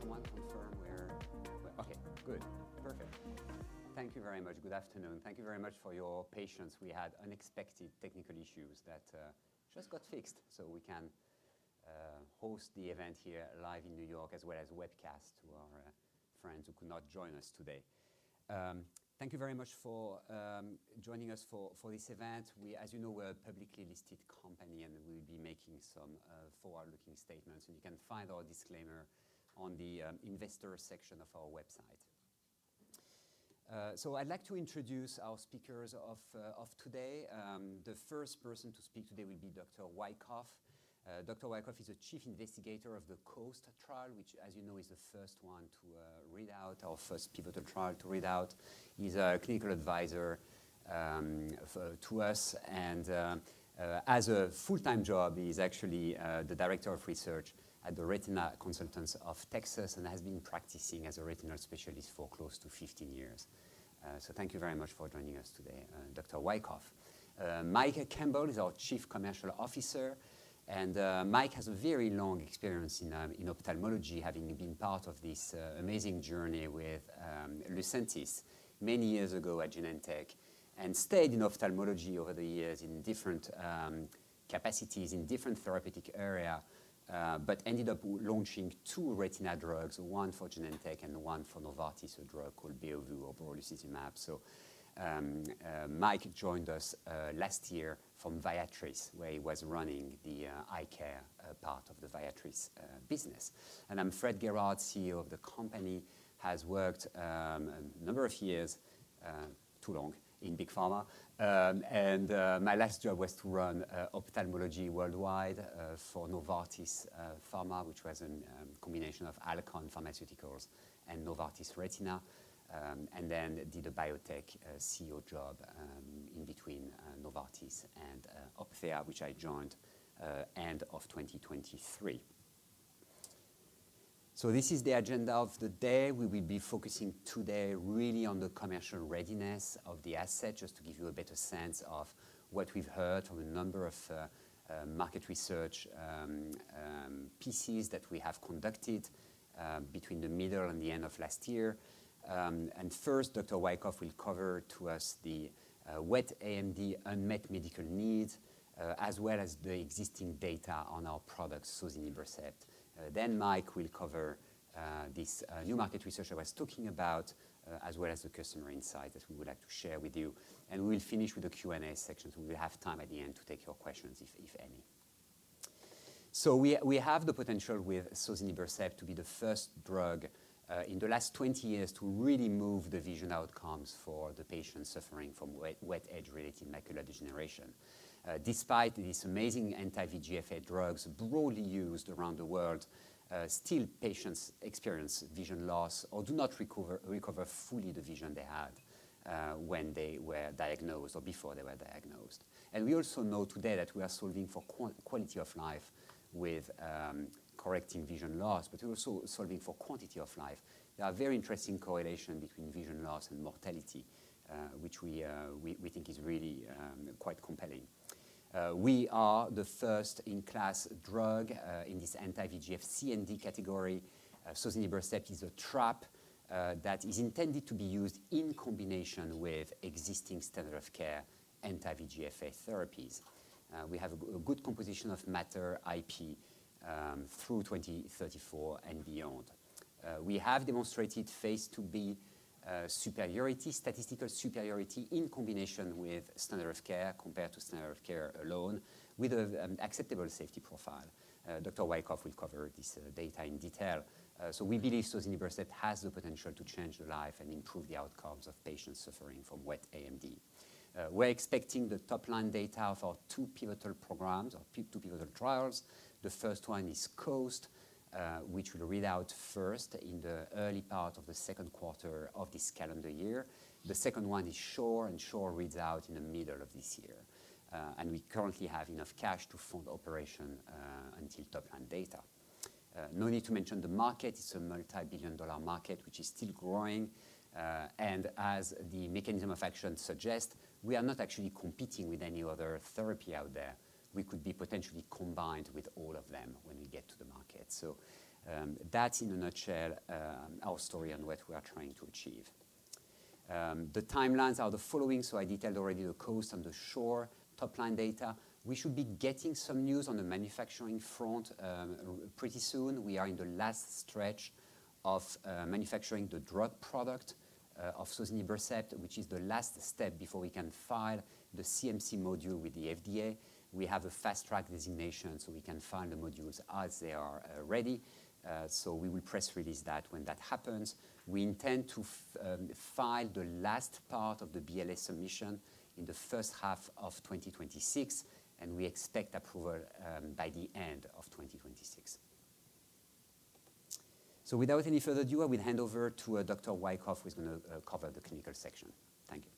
Can someone confirm where, okay, good. Perfect. Thank you very much. Good afternoon. Thank you very much for your patience. We had unexpected technical issues that just got fixed, so we can host the event here live in New York, as well as webcast to our friends who could not join us today. Thank you very much for joining us for this event. We, as you know, we're a publicly listed company, and we'll be making some forward-looking statements, and you can find our disclaimer on the investor section of our website. I'd like to introduce our speakers of today. The first person to speak today will be Dr. Wykoff. Dr. Wyckoff is a chief investigator of the COAST trial, which, as you know, is the first one to read out, our first pivotal trial to read out. He's a clinical advisor to us. As a full-time job, he's actually the director of research at the Retina Consultants of Texas and has been practicing as a retinal specialist for close to 15 years. Thank you very much for joining us today, Dr. Wyckoff. Mike Campbell is our Chief Commercial Officer. Mike has a very long experience in ophthalmology, having been part of this amazing journey with Lucentis many years ago at Genentech and stayed in ophthalmology over the years in different capacities in different therapeutic areas, but ended up launching two retina drugs, one for Genentech and one for Novartis, a drug called Beovu, or brolucizumab. Mike joined us last year from Viatris, where he was running the eye care part of the Viatris business. I'm Fred Guérard, CEO of the company. I have worked a number of years, too long, in big pharma. My last job was to run ophthalmology worldwide for Novartis Pharma, which was a combination of Alcon Pharmaceuticals and Novartis Retina, and then did a biotech CEO job in between Novartis and Opthea, which I joined at the end of 2023. This is the agenda of the day. We will be focusing today really on the commercial readiness of the asset, just to give you a better sense of what we've heard from a number of market research pieces that we have conducted between the middle and the end of last year. First, Dr. Wyckoff will cover to us the wet AMD unmet medical needs, as well as the existing data on our product, sozinibrecept. Then Mike will cover this new market research I was talking about, as well as the customer insight that we would like to share with you. We'll finish with a Q&A section. We will have time at the end to take your questions, if any. We have the potential with sozinibrecept to be the first drug in the last 20 years to really move the vision outcomes for the patients suffering from wet age-related macular degeneration. Despite these amazing anti-VEGF drugs broadly used around the world, still patients experience vision loss or do not recover fully the vision they had when they were diagnosed or before they were diagnosed. We also know today that we are solving for quality of life with correcting vision loss, but we're also solving for quantity of life. There are very interesting correlations between vision loss and mortality, which we think is really quite compelling. We are the first-in-class drug in this anti-VEGF C and D category. Sozinibrecept is a trap that is intended to be used in combination with existing standard of care anti-VEGF therapies. We have a good composition of matter IP through 2034 and beyond. We have demonstrated phase 2B statistical superiority in combination with standard of care compared to standard of care alone, with an acceptable safety profile. Dr. Wyckoff will cover this data in detail. So we believe Sozinibrecept has the potential to change the life and improve the outcomes of patients suffering from wet AMD. We're expecting the top-line data for two pivotal programs, or two pivotal trials. The first one is COAST, which will read out first in the early part of the second quarter of this calendar year. The second one is SHORE, and SHORE reads out in the middle of this year. And we currently have enough cash to fund operation until top-line data. No need to mention the market. It's a multi-billion-dollar market, which is still growing, and as the mechanism of action suggests, we are not actually competing with any other therapy out there. We could be potentially combined with all of them when we get to the market, so that's, in a nutshell, our story on what we are trying to achieve. The timelines are the following, so I detailed already the COAST and the SHORE top-line data. We should be getting some news on the manufacturing front pretty soon. We are in the last stretch of manufacturing the drug product of Sozinibrecept, which is the last step before we can file the CMC module with the FDA. We have a Fast Track designation, so we can file the modules as they are ready, so we will press release that when that happens. We intend to file the last part of the BLA submission in the first half of 2026, and we expect approval by the end of 2026. So without any further ado, I will hand over to Dr. Wyckoff, who is going to cover the clinical section. Thank you.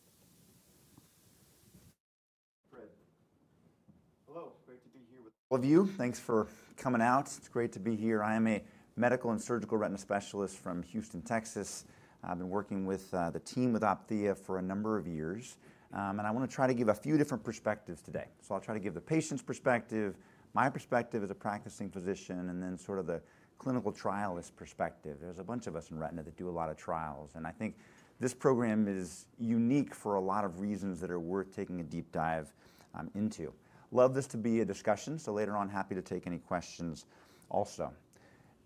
Hello. It's great to be here with all of you. Thanks for coming out. It's great to be here. I am a medical and surgical retina specialist from Houston, Texas. I've been working with the team with Opthea for a number of years, and I want to try to give a few different perspectives today, so I'll try to give the patient's perspective, my perspective as a practicing physician, and then sort of the clinical trialist perspective. There's a bunch of us in retina that do a lot of trials, and I think this program is unique for a lot of reasons that are worth taking a deep dive into. I'd love this to be a discussion, so later on, happy to take any questions also.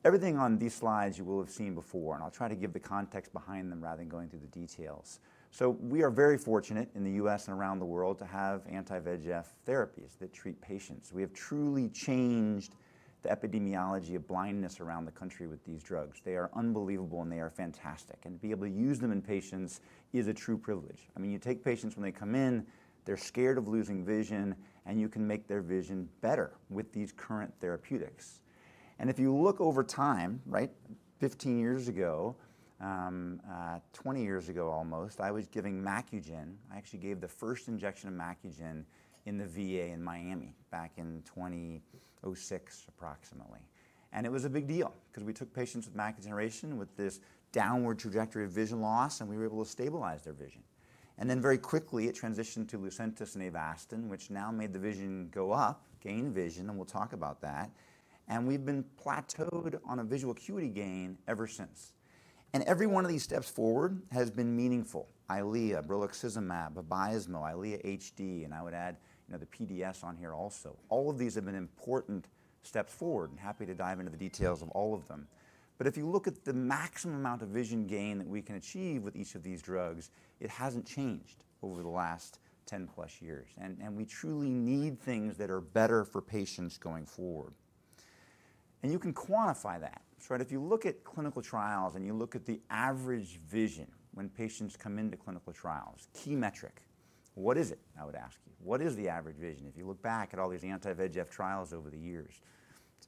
Everything on these slides you will have seen before. I'll try to give the context behind them rather than going through the details. We are very fortunate in the U.S. and around the world to have anti-VEGF therapies that treat patients. We have truly changed the epidemiology of blindness around the country with these drugs. They are unbelievable, and they are fantastic. To be able to use them in patients is a true privilege. I mean, you take patients when they come in, they're scared of losing vision, and you can make their vision better with these current therapeutics. If you look over time, right, 15 years ago, 20 years ago almost, I was giving Macugen. I actually gave the first injection of Macugen in the VA in Miami back in 2006, approximately. It was a big deal because we took patients with macular degeneration with this downward trajectory of vision loss, and we were able to stabilize their vision. And then very quickly, it transitioned to Lucentis and Avastin, which now made the vision go up, gain vision, and we'll talk about that. And we've been plateaued on a visual acuity gain ever since. And every one of these steps forward has been meaningful. Eylea, brolucizumab, Vabysmo, Eylea HD, and I would add the PDS on here also. All of these have been important steps forward, and happy to dive into the details of all of them. But if you look at the maximum amount of vision gain that we can achieve with each of these drugs, it hasn't changed over the last 10-plus years. And we truly need things that are better for patients going forward. You can quantify that. If you look at clinical trials and you look at the average vision when patients come into clinical trials, key metric, what is it, I would ask you? What is the average vision if you look back at all these anti-VEGF trials over the years?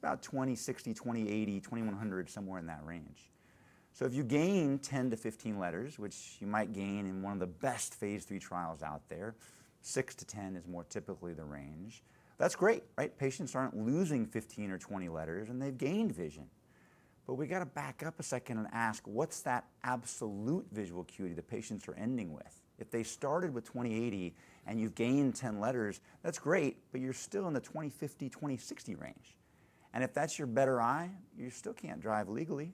It's about 20/60, 20/80, 20/100, somewhere in that range. If you gain 10-15 letters, which you might gain in one of the best phase III trials out there, 6-10 is more typically the range, that's great. Patients aren't losing 15 or 20 letters, and they've gained vision. We've got to back up a second and ask, what's that absolute visual acuity the patients are ending with? If they started with 20/80 and you've gained 10 letters, that's great, but you're still in the 20/50, 20/60 range. If that's your better eye, you still can't drive legally.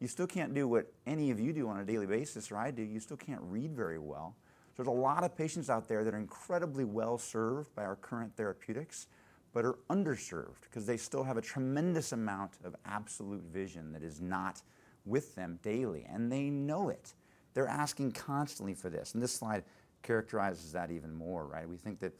You still can't do what any of you do on a daily basis, or I do. You still can't read very well. There's a lot of patients out there that are incredibly well served by our current therapeutics, but are underserved because they still have a tremendous amount of absolute vision that is not with them daily. They know it. They're asking constantly for this. This slide characterizes that even more. We think that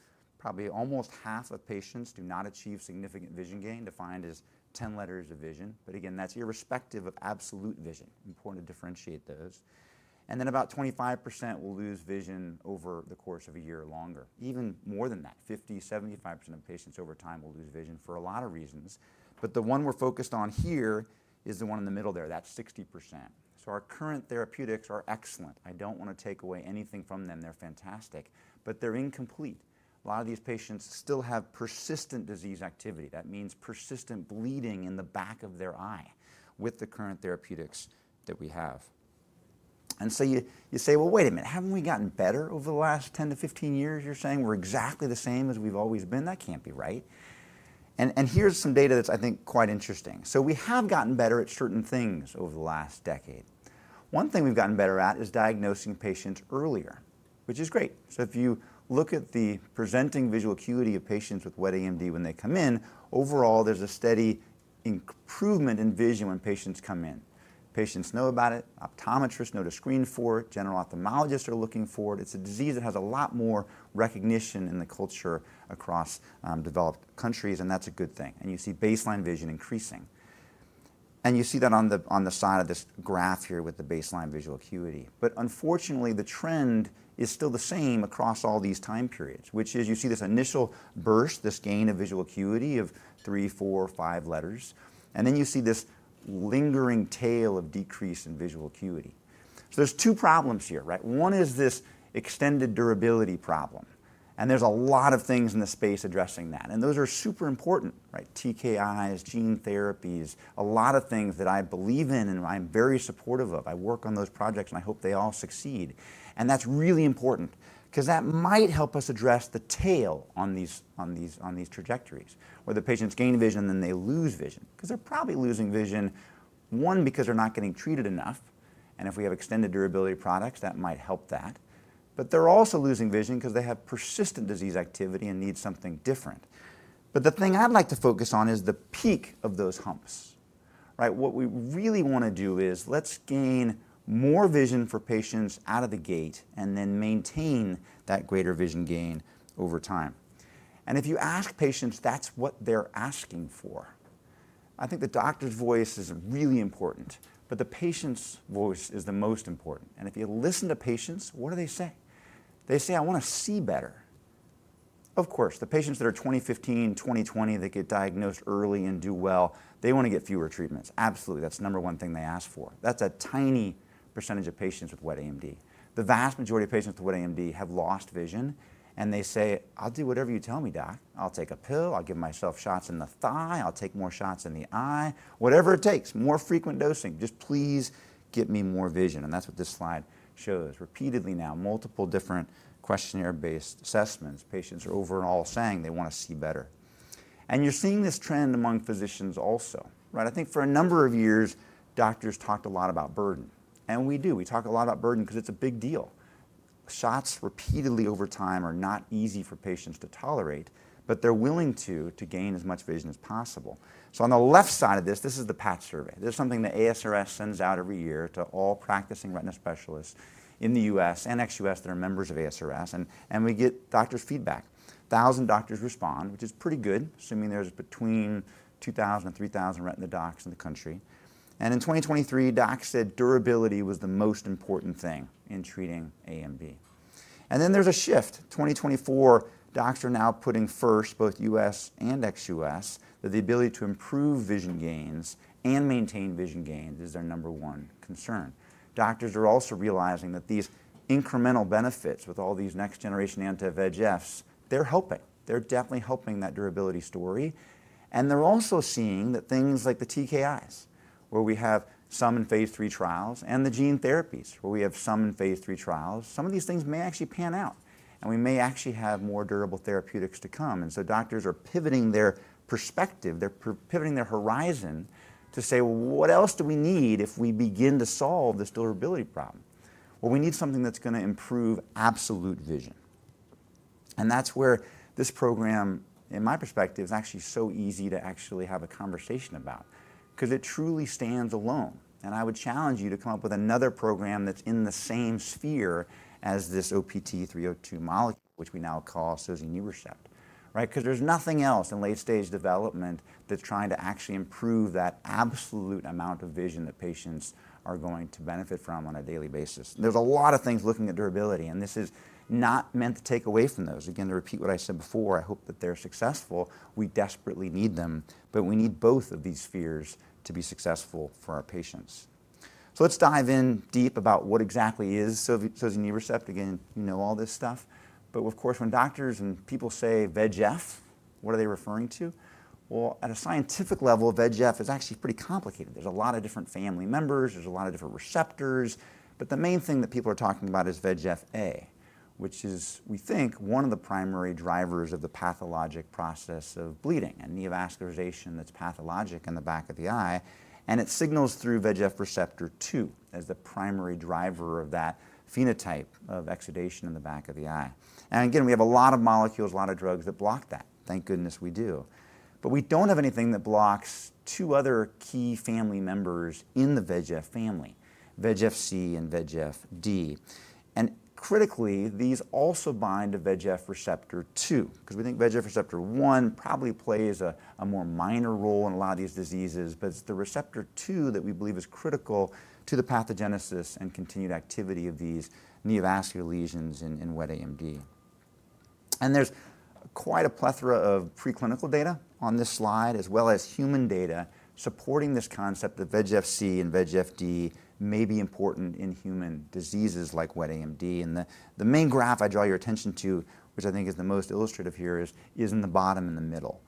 probably almost half of patients do not achieve significant vision gain defined as 10 letters of vision. Again, that's irrespective of absolute vision. Important to differentiate those. Then about 25% will lose vision over the course of a year or longer. Even more than that, 50%, 75% of patients over time will lose vision for a lot of reasons. But the one we're focused on here is the one in the middle there. That's 60%. So our current therapeutics are excellent. I don't want to take away anything from them. They're fantastic. But they're incomplete. A lot of these patients still have persistent disease activity. That means persistent bleeding in the back of their eye with the current therapeutics that we have. And so you say, well, wait a minute. Haven't we gotten better over the last 10-15 years? You're saying we're exactly the same as we've always been? That can't be right. And here's some data that's, I think, quite interesting. So we have gotten better at certain things over the last decade. One thing we've gotten better at is diagnosing patients earlier, which is great. So if you look at the presenting visual acuity of patients with wet AMD when they come in, overall, there's a steady improvement in vision when patients come in. Patients know about it. Optometrists know to screen for it. General ophthalmologists are looking for it. It's a disease that has a lot more recognition in the culture across developed countries, and that's a good thing. And you see baseline vision increasing. And you see that on the side of this graph here with the baseline visual acuity. But unfortunately, the trend is still the same across all these time periods, which is you see this initial burst, this gain of visual acuity of three, four, five letters. And then you see this lingering tail of decrease in visual acuity. So there's two problems here. One is this extended durability problem. There's a lot of things in the space addressing that. Those are super important, TKIs, gene therapies, a lot of things that I believe in and I'm very supportive of. I work on those projects, and I hope they all succeed. That's really important because that might help us address the tail on these trajectories where the patients gain vision and then they lose vision because they're probably losing vision, one, because they're not getting treated enough. If we have extended durability products, that might help that. They're also losing vision because they have persistent disease activity and need something different. The thing I'd like to focus on is the peak of those humps. What we really want to do is let's gain more vision for patients out of the gate and then maintain that greater vision gain over time. And if you ask patients, that's what they're asking for. I think the doctor's voice is really important, but the patient's voice is the most important. And if you listen to patients, what do they say? They say, I want to see better. Of course, the patients that are 2015, 2020 that get diagnosed early and do well, they want to get fewer treatments. Absolutely. That's the number one thing they ask for. That's a tiny percentage of patients with wet AMD. The vast majority of patients with wet AMD have lost vision. And they say, I'll do whatever you tell me, doc. I'll take a pill. I'll give myself shots in the thigh. I'll take more shots in the eye. Whatever it takes, more frequent dosing. Just please get me more vision. And that's what this slide shows. Repeatedly now, multiple different questionnaire-based assessments, patients are overall saying they want to see better. And you're seeing this trend among physicians also. I think for a number of years, doctors talked a lot about burden. And we do. We talk a lot about burden because it's a big deal. Shots repeatedly over time are not easy for patients to tolerate, but they're willing to gain as much vision as possible. So on the left side of this, this is the PAT Survey. This is something that ASRS sends out every year to all practicing retina specialists in the U.S. and ex-U.S. that are members of ASRS. And we get doctors' feedback. 1,000 doctors respond, which is pretty good, assuming there's between 2,000 and 3,000 retina docs in the country. And in 2023, docs said durability was the most important thing in treating AMD. And then there's a shift. 2024, docs are now putting first, both U.S. and ex-U.S., the ability to improve vision gains and maintain vision gains is their number one concern. Doctors are also realizing that these incremental benefits with all these next-generation anti-VEGFs, they're helping. They're definitely helping that durability story, and they're also seeing that things like the TKIs, where we have some in phase 3 trials, and the gene therapies, where we have some in phase 3 trials, some of these things may actually pan out, and we may actually have more durable therapeutics to come, and so doctors are pivoting their perspective, they're pivoting their horizon to say, well, what else do we need if we begin to solve this durability problem? Well, we need something that's going to improve absolute vision. That's where this program, in my perspective, is actually so easy to actually have a conversation about because it truly stands alone. I would challenge you to come up with another program that's in the same sphere as this OPT-302 molecule, which we now call Sozinibrecept, because there's nothing else in late-stage development that's trying to actually improve that absolute amount of vision that patients are going to benefit from on a daily basis. There's a lot of things looking at durability. This is not meant to take away from those. Again, to repeat what I said before, I hope that they're successful. We desperately need them. We need both of these spheres to be successful for our patients. Let's dive in deep about what exactly is Sozinibrecept. Again, you know all this stuff. But of course, when doctors and people say VEGF, what are they referring to? Well, at a scientific level, VEGF is actually pretty complicated. There's a lot of different family members. There's a lot of different receptors. But the main thing that people are talking about is VEGF-A, which is, we think, one of the primary drivers of the pathologic process of bleeding and neovascularization that's pathologic in the back of the eye. And it signals through VEGF receptor 2 as the primary driver of that phenotype of exudation in the back of the eye. And again, we have a lot of molecules, a lot of drugs that block that. Thank goodness we do. But we don't have anything that blocks two other key family members in the VEGF family, VEGF-C and VEGF-D. Critically, these also bind to VEGF receptor 2 because we think VEGF receptor 1 probably plays a more minor role in a lot of these diseases. But it's the receptor 2 that we believe is critical to the pathogenesis and continued activity of these neovascular lesions in wet AMD. And there's quite a plethora of preclinical data on this slide, as well as human data supporting this concept that VEGF-C and VEGF-D may be important in human diseases like wet AMD. And the main graph I draw your attention to, which I think is the most illustrative here, is in the bottom in the middle.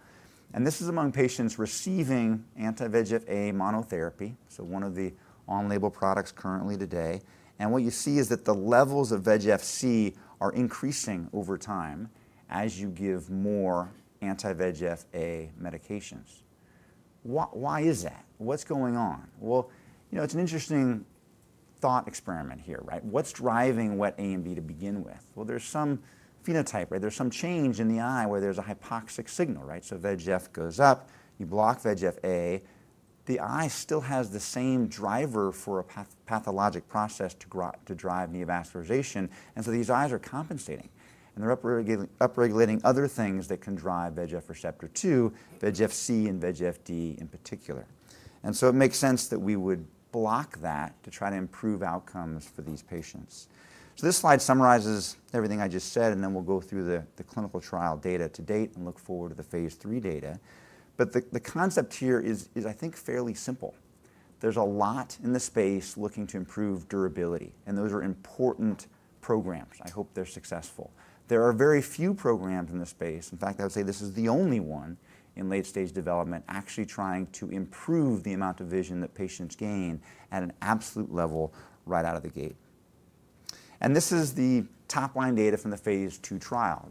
And this is among patients receiving anti-VEGF-A monotherapy, so one of the on-label products currently today. And what you see is that the levels of VEGF-C are increasing over time as you give more anti-VEGF-A medications. Why is that? What's going on? It's an interesting thought experiment here. What's driving wet AMD to begin with? There's some phenotype. There's some change in the eye where there's a hypoxic signal. So VEGF goes up. You block VEGF-A. The eye still has the same driver for a pathologic process to drive neovascularization. And so these eyes are compensating. And they're upregulating other things that can drive VEGF receptor 2, VEGF-C, and VEGF-D in particular. And so it makes sense that we would block that to try to improve outcomes for these patients. So this slide summarizes everything I just said. And then we'll go through the clinical trial data to date and look forward to the phase 3 data. But the concept here is, I think, fairly simple. There's a lot in the space looking to improve durability. And those are important programs. I hope they're successful. There are very few programs in this space. In fact, I would say this is the only one in late-stage development actually trying to improve the amount of vision that patients gain at an absolute level right out of the gate, and this is the top-line data from the phase 2 trial.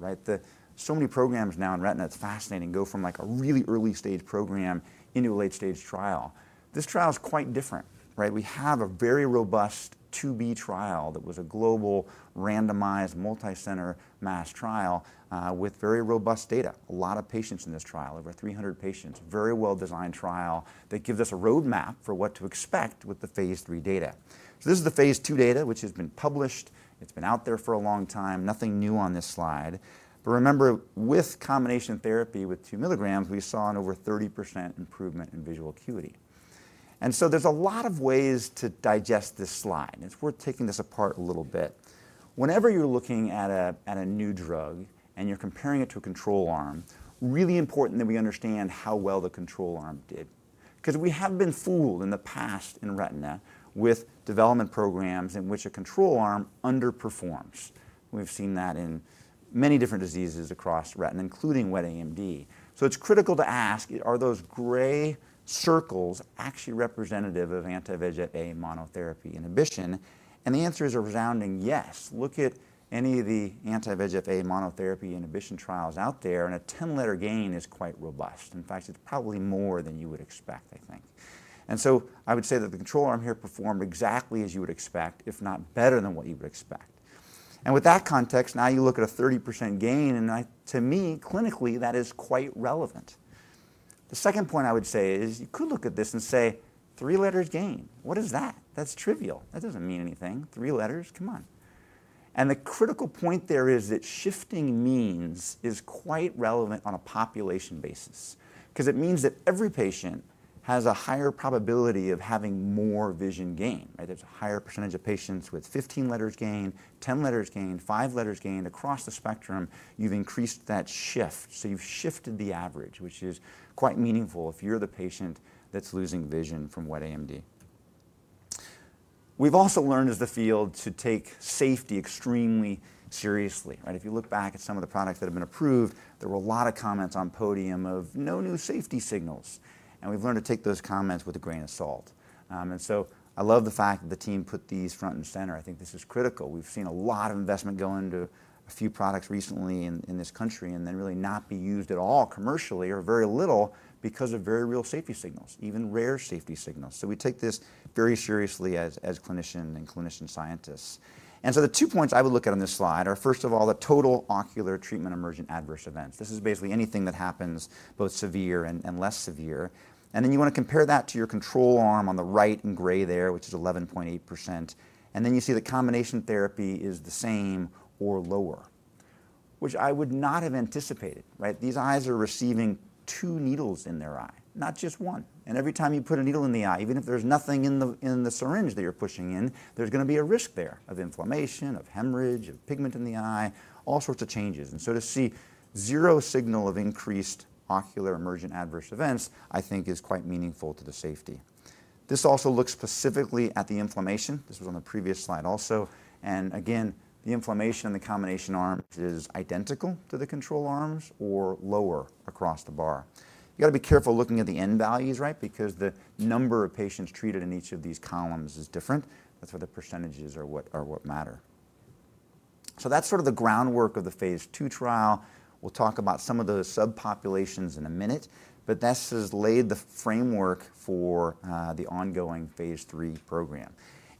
So many programs now in retina, it's fascinating, go from a really early-stage program into a late-stage trial. This trial is quite different. We have a very robust phase 2b trial that was a global randomized multi-center masked trial with very robust data. A lot of patients in this trial, over 300 patients, very well-designed trial that gives us a roadmap for what to expect with the phase 3 data. So this is the phase 2 data, which has been published. It's been out there for a long time. Nothing new on this slide. But remember, with combination therapy with two milligrams, we saw an over 30% improvement in visual acuity. And so there's a lot of ways to digest this slide. And it's worth taking this apart a little bit. Whenever you're looking at a new drug and you're comparing it to a control arm, really important that we understand how well the control arm did. Because we have been fooled in the past in retina with development programs in which a control arm underperforms. We've seen that in many different diseases across retina, including wet AMD. So it's critical to ask, are those gray circles actually representative of anti-VEGF-A monotherapy inhibition? And the answer is a resounding yes. Look at any of the anti-VEGF-A monotherapy inhibition trials out there, and a 10-letter gain is quite robust. In fact, it's probably more than you would expect, I think. And so I would say that the control arm here performed exactly as you would expect, if not better than what you would expect. And with that context, now you look at a 30% gain. And to me, clinically, that is quite relevant. The second point I would say is you could look at this and say, three letters gain. What is that? That's trivial. That doesn't mean anything. Three letters, come on. And the critical point there is that shifting means is quite relevant on a population basis because it means that every patient has a higher probability of having more vision gain. There's a higher percentage of patients with 15 letters gain, 10 letters gain, five letters gain. Across the spectrum, you've increased that shift. So you've shifted the average, which is quite meaningful if you're the patient that's losing vision from wet AMD. We've also learned as the field to take safety extremely seriously. If you look back at some of the products that have been approved, there were a lot of comments on podium of no new safety signals. And we've learned to take those comments with a grain of salt. And so I love the fact that the team put these front and center. I think this is critical. We've seen a lot of investment go into a few products recently in this country and then really not be used at all commercially or very little because of very real safety signals, even rare safety signals. So we take this very seriously as clinicians and clinician scientists. And so the two points I would look at on this slide are, first of all, the total ocular treatment emergent adverse events. This is basically anything that happens both severe and less severe. Then you want to compare that to your control arm on the right in gray there, which is 11.8%. And then you see the combination therapy is the same or lower, which I would not have anticipated. These eyes are receiving two needles in their eye, not just one. And every time you put a needle in the eye, even if there's nothing in the syringe that you're pushing in, there's going to be a risk there of inflammation, of hemorrhage, of pigment in the eye, all sorts of changes. And so to see zero signal of increased ocular emergent adverse events, I think, is quite meaningful to the safety. This also looks specifically at the inflammation. This was on the previous slide also. And again, the inflammation in the combination arms is identical to the control arms or lower across the bar. You've got to be careful looking at the end values because the number of patients treated in each of these columns is different. That's where the percentages are what matter. So that's sort of the groundwork of the phase 2 trial. We'll talk about some of those subpopulations in a minute. But this has laid the framework for the ongoing phase 3 program.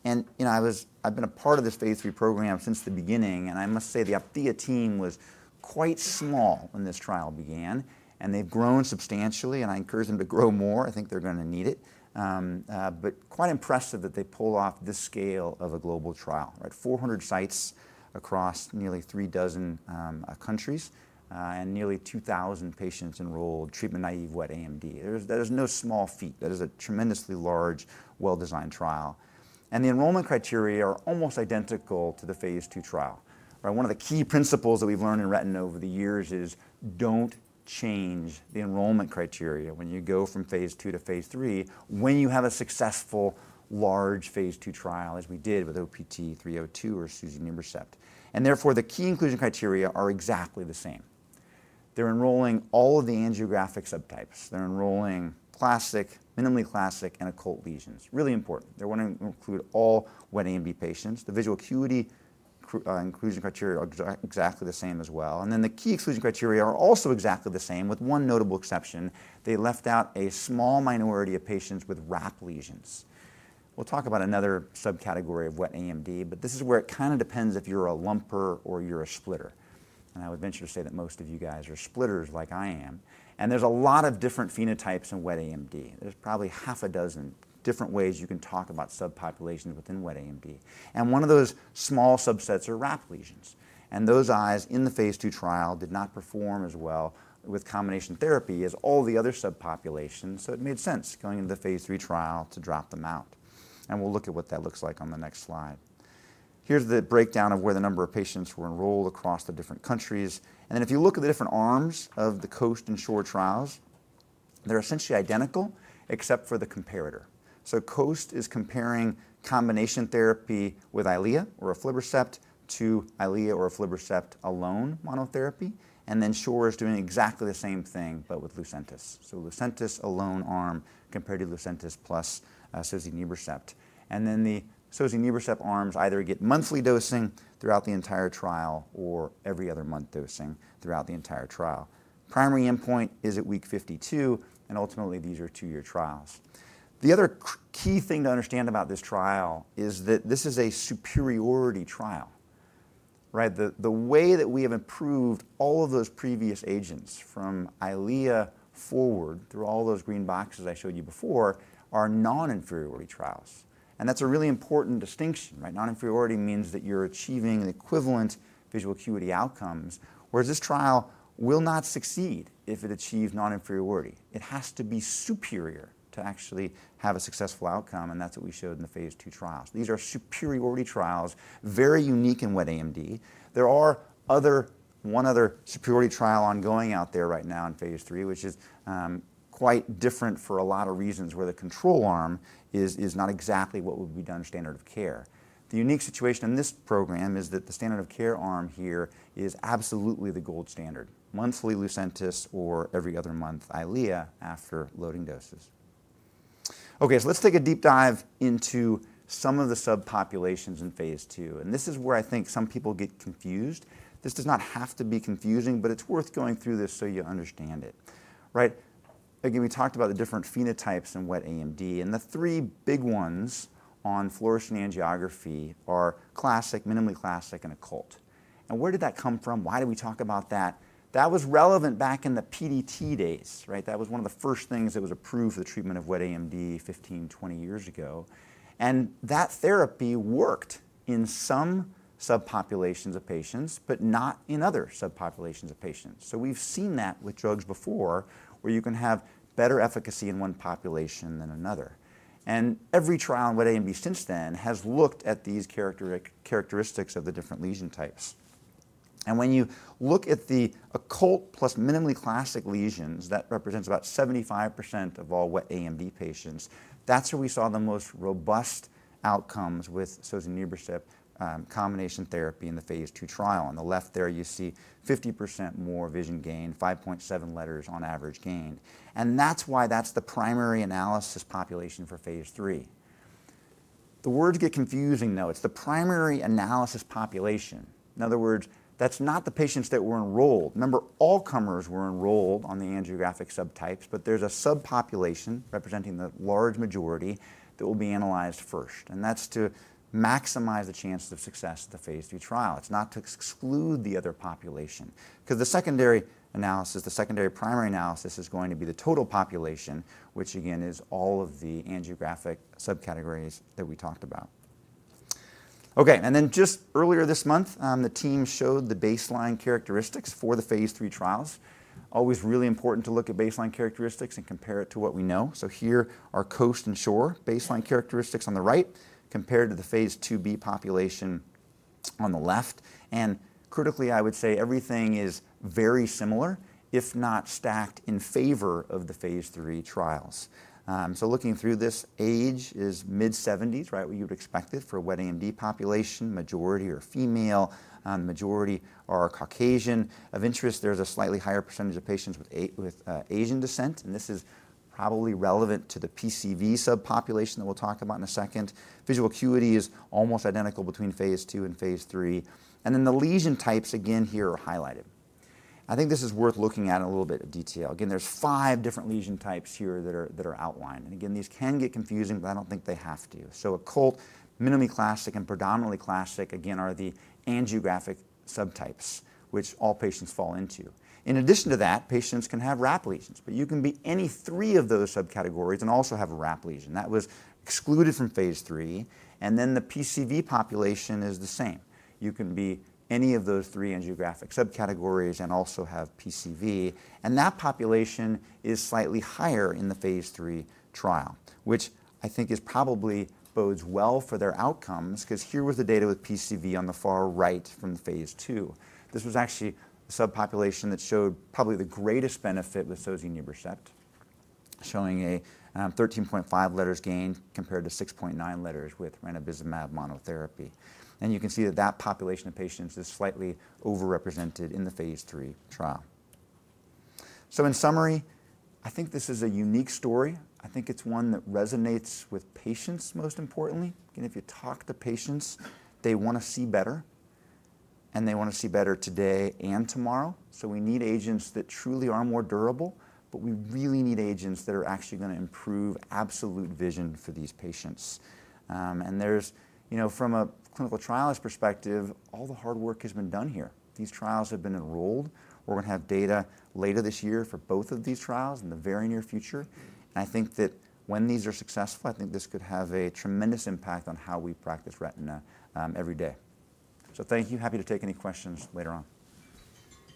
And I've been a part of this phase 3 program since the beginning. And I must say the Opthea team was quite small when this trial began. And they've grown substantially. And I encourage them to grow more. I think they're going to need it. But quite impressive that they pull off this scale of a global trial, 400 sites across nearly three dozen countries and nearly 2,000 patients enrolled treatment-naive wet AMD. That is no small feat. That is a tremendously large, well-designed trial. The enrollment criteria are almost identical to the phase 2 trial. One of the key principles that we've learned in retina over the years is don't change the enrollment criteria when you go from phase 2 to phase 3 when you have a successful large phase 2 trial, as we did with OPT-302 or Sozinibrecept. Therefore, the key inclusion criteria are exactly the same. They're enrolling all of the angiographic subtypes. They're enrolling classic, minimally classic, and occult lesions. Really important. They're wanting to include all wet AMD patients. The visual acuity inclusion criteria are exactly the same as well. Then the key exclusion criteria are also exactly the same with one notable exception. They left out a small minority of patients with RAP lesions. We'll talk about another subcategory of wet AMD. But this is where it kind of depends if you're a lumper or you're a splitter. And I would venture to say that most of you guys are splitters like I am. And there's a lot of different phenotypes in Wet AMD. There's probably half a dozen different ways you can talk about subpopulations within Wet AMD. And one of those small subsets are wrap lesions. And those eyes in the phase 2 trial did not perform as well with combination therapy as all the other subpopulations. So it made sense going into the phase 3 trial to drop them out. And we'll look at what that looks like on the next slide. Here's the breakdown of where the number of patients were enrolled across the different countries. And then if you look at the different arms of the COAST and SHORE trials, they're essentially identical except for the comparator. So COAST is comparing combination therapy with Eylea or aflibercept to Eylea or Aflibercept alone monotherapy. And then SHORE is doing exactly the same thing, but with Lucentis. So Lucentis alone arm compared to Lucentis plus sozinibrecept. And then the sozinibrecept arms either get monthly dosing throughout the entire trial or every other month dosing throughout the entire trial. Primary endpoint is at week 52. And ultimately, these are two-year trials. The other key thing to understand about this trial is that this is a superiority trial. The way that we have improved all of those previous agents from Eylea forward through all those green boxes I showed you before are non-inferiority trials. And that's a really important distinction. Non-inferiority means that you're achieving equivalent visual acuity outcomes, whereas this trial will not succeed if it achieves non-inferiority. It has to be superior to actually have a successful outcome, and that's what we showed in the phase 2 trials. These are superiority trials, very unique in wet AMD. There are one other superiority trial ongoing out there right now in phase 3, which is quite different for a lot of reasons where the control arm is not exactly what would be done standard of care. The unique situation in this program is that the standard of care arm here is absolutely the gold standard: monthly Lucentis or every other month Eylea after loading doses. OK, so let's take a deep dive into some of the subpopulations in phase 2, and this is where I think some people get confused. This does not have to be confusing, but it's worth going through this so you understand it. Again, we talked about the different phenotypes in wet AMD. The three big ones on fluorescein angiography are classic, minimally classic, and occult. Where did that come from? Why did we talk about that? That was relevant back in the PDT days. That was one of the first things that was approved for the treatment of Wet AMD 15, 20 years ago. That therapy worked in some subpopulations of patients, but not in other subpopulations of patients. We've seen that with drugs before where you can have better efficacy in one population than another. Every trial in Wet AMD since then has looked at these characteristics of the different lesion types. When you look at the occult plus minimally classic lesions, that represents about 75% of all Wet AMD patients. That's where we saw the most robust outcomes with sozinibrecept combination therapy in the phase 2 trial. On the left there, you see 50% more vision gain, 5.7 letters on average gained, and that's why that's the primary analysis population for phase 3. The words get confusing, though. It's the primary analysis population. In other words, that's not the patients that were enrolled. Remember, all comers were enrolled on the angiographic subtypes, but there's a subpopulation representing the large majority that will be analyzed first, and that's to maximize the chances of success at the phase 2 trial. It's not to exclude the other population. Because the secondary analysis, the secondary primary analysis, is going to be the total population, which again is all of the angiographic subcategories that we talked about. OK, and then just earlier this month, the team showed the baseline characteristics for the phase 3 trials. Always really important to look at baseline characteristics and compare it to what we know. Here are COAST and SHORE baseline characteristics on the right compared to the phase 2b population on the left. Critically, I would say everything is very similar, if not stacked in favor of the phase 3 trials. Looking through this, age is mid-70s, what you'd expected for a wet AMD population. Majority are female. The majority are Caucasian. Of interest, there's a slightly higher percentage of patients with Asian descent. This is probably relevant to the PCV subpopulation that we'll talk about in a second. Visual acuity is almost identical between phase 2 and phase 3. Then the lesion types again here are highlighted. I think this is worth looking at in a little bit of detail. Again, there's five different lesion types here that are outlined. Again, these can get confusing, but I don't think they have to. Occult, minimally classic, and predominantly classic, again, are the angiographic subtypes, which all patients fall into. In addition to that, patients can have wrap lesions. But you can be any three of those subcategories and also have a RAP lesion. That was excluded from phase 3. The PCV population is the same. You can be any of those three angiographic subcategories and also have PCV. That population is slightly higher in the phase 3 trial, which I think probably bodes well for their outcomes because here was the data with PCV on the far right from phase 2. This was actually a subpopulation that showed probably the greatest benefit with sozinibrecept, showing a 13.5 letters gain compared to 6.9 letters with ranibizumab monotherapy. You can see that that population of patients is slightly overrepresented in the phase 3 trial. So in summary, I think this is a unique story. I think it's one that resonates with patients most importantly. And if you talk to patients, they want to see better. And they want to see better today and tomorrow. So we need agents that truly are more durable. But we really need agents that are actually going to improve absolute vision for these patients. And from a clinical trialist perspective, all the hard work has been done here. These trials have been enrolled. We're going to have data later this year for both of these trials in the very near future. And I think that when these are successful, I think this could have a tremendous impact on how we practice retina every day. So thank you. Happy to take any questions later on.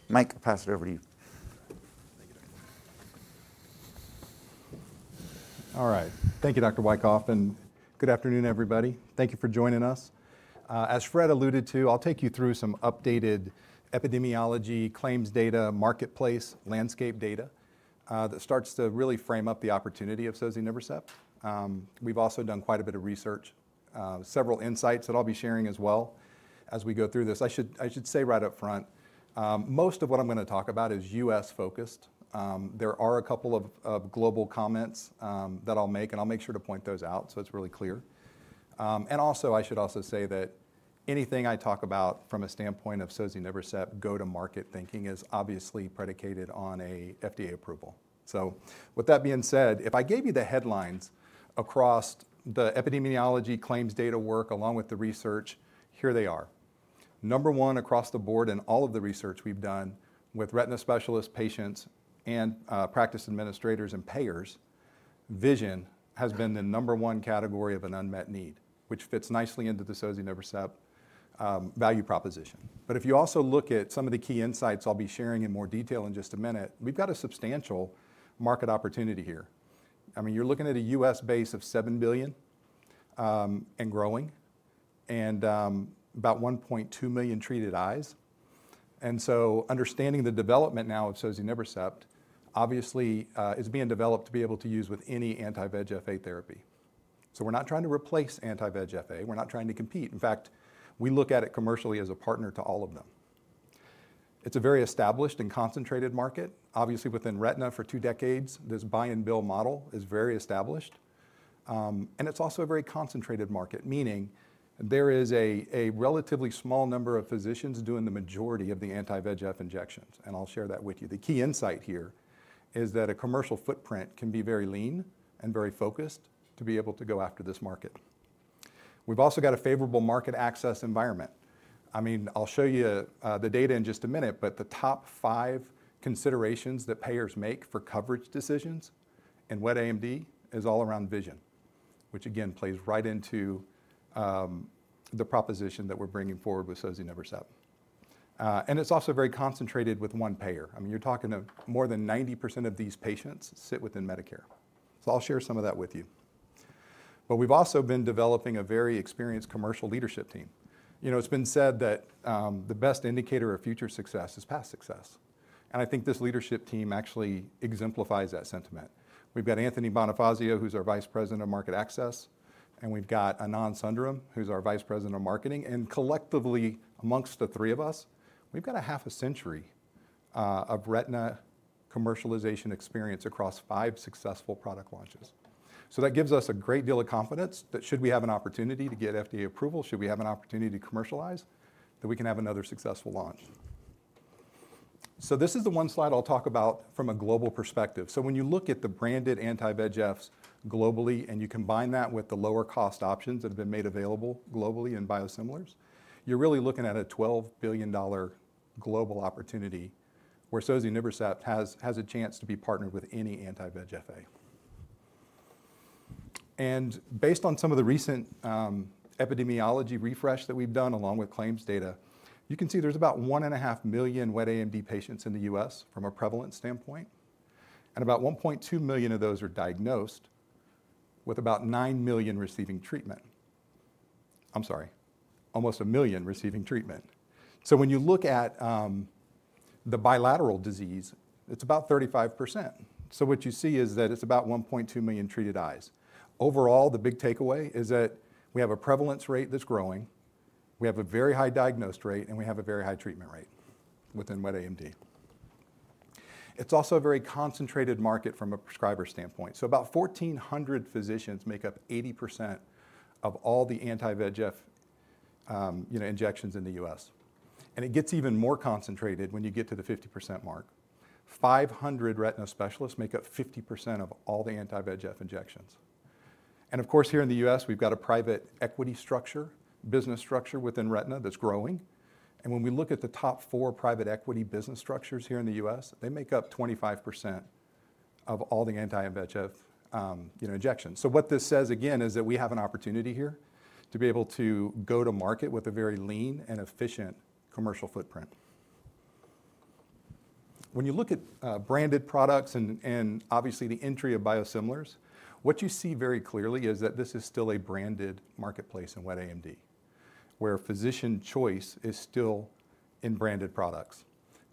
Mike, I'll pass it over to you. Thank you, Dr. Wyckoff. All right, thank you, Dr. Wyckoff, and good afternoon, everybody. Thank you for joining us. As Fred alluded to, I'll take you through some updated epidemiology claims data, marketplace landscape data that starts to really frame up the opportunity of sozinibrecept. We've also done quite a bit of research, several insights that I'll be sharing as well as we go through this. I should say right up front, most of what I'm going to talk about is US-focused. There are a couple of global comments that I'll make, and I'll make sure to point those out so it's really clear. Also, I should say that anything I talk about from a standpoint of sozinibrecept go-to-market thinking is obviously predicated on an FDA approval. So with that being said, if I gave you the headlines across the epidemiology claims data work along with the research, here they are. Number one across the board in all of the research we've done with retina specialists, patients, and practice administrators and payers, vision has been the number one category of an unmet need, which fits nicely into the sozinibrecept value proposition. But if you also look at some of the key insights I'll be sharing in more detail in just a minute, we've got a substantial market opportunity here. I mean, you're looking at a U.S. base of $7 billion and growing and about 1.2 million treated eyes. Understanding the development now of sozinibrecept, obviously, it's being developed to be able to use with any anti-VEGF-A therapy. We're not trying to replace anti-VEGF-A. We're not trying to compete. In fact, we look at it commercially as a partner to all of them. It's a very established and concentrated market. Obviously, within retina for two decades, this buy-and-build model is very established. And it's also a very concentrated market, meaning there is a relatively small number of physicians doing the majority of the anti-VEGF injections. And I'll share that with you. The key insight here is that a commercial footprint can be very lean and very focused to be able to go after this market. We've also got a favorable market access environment. I mean, I'll show you the data in just a minute. But the top five considerations that payers make for coverage decisions in wet AMD is all around vision, which again plays right into the proposition that we're bringing forward with sozinibrecept. And it's also very concentrated with one payer. I mean, you're talking to more than 90% of these patients sit within Medicare. So I'll share some of that with you. But we've also been developing a very experienced commercial leadership team. It's been said that the best indicator of future success is past success. And I think this leadership team actually exemplifies that sentiment. We've got Anthony Bonifazio, who's our vice president of market access. And we've got Anand Sundaram, who's our vice president of marketing. And collectively, amongst the three of us, we've got a half a century of retina commercialization experience across five successful product launches. So that gives us a great deal of confidence that should we have an opportunity to get FDA approval, should we have an opportunity to commercialize, that we can have another successful launch. So this is the one slide I'll talk about from a global perspective. So when you look at the branded anti-VEGFs globally and you combine that with the lower-cost options that have been made available globally in biosimilars, you're really looking at a $12 billion global opportunity where sozinibrecept has a chance to be partnered with any anti-VEGF-A. And based on some of the recent epidemiology refresh that we've done along with claims data, you can see there's about 1.5 million wet AMD patients in the U.S. from a prevalence standpoint. And about 1.2 million of those are diagnosed with about nine million receiving treatment. I'm sorry, almost a million receiving treatment. So when you look at the bilateral disease, it's about 35%. So what you see is that it's about 1.2 million treated eyes. Overall, the big takeaway is that we have a prevalence rate that's growing. We have a very high diagnosed rate. We have a very high treatment rate within wet AMD. It's also a very concentrated market from a prescriber standpoint. About 1,400 physicians make up 80% of all the anti-VEGF injections in the U.S. It gets even more concentrated when you get to the 50% mark. 500 retina specialists make up 50% of all the anti-VEGF injections. Of course, here in the U.S., we've got a private equity structure, business structure within retina that's growing. When we look at the top four private equity business structures here in the U.S., they make up 25% of all the anti-VEGF injections. What this says, again, is that we have an opportunity here to be able to go to market with a very lean and efficient commercial footprint. When you look at branded products and obviously the entry of biosimilars, what you see very clearly is that this is still a branded marketplace in wet AMD, where physician choice is still in branded products.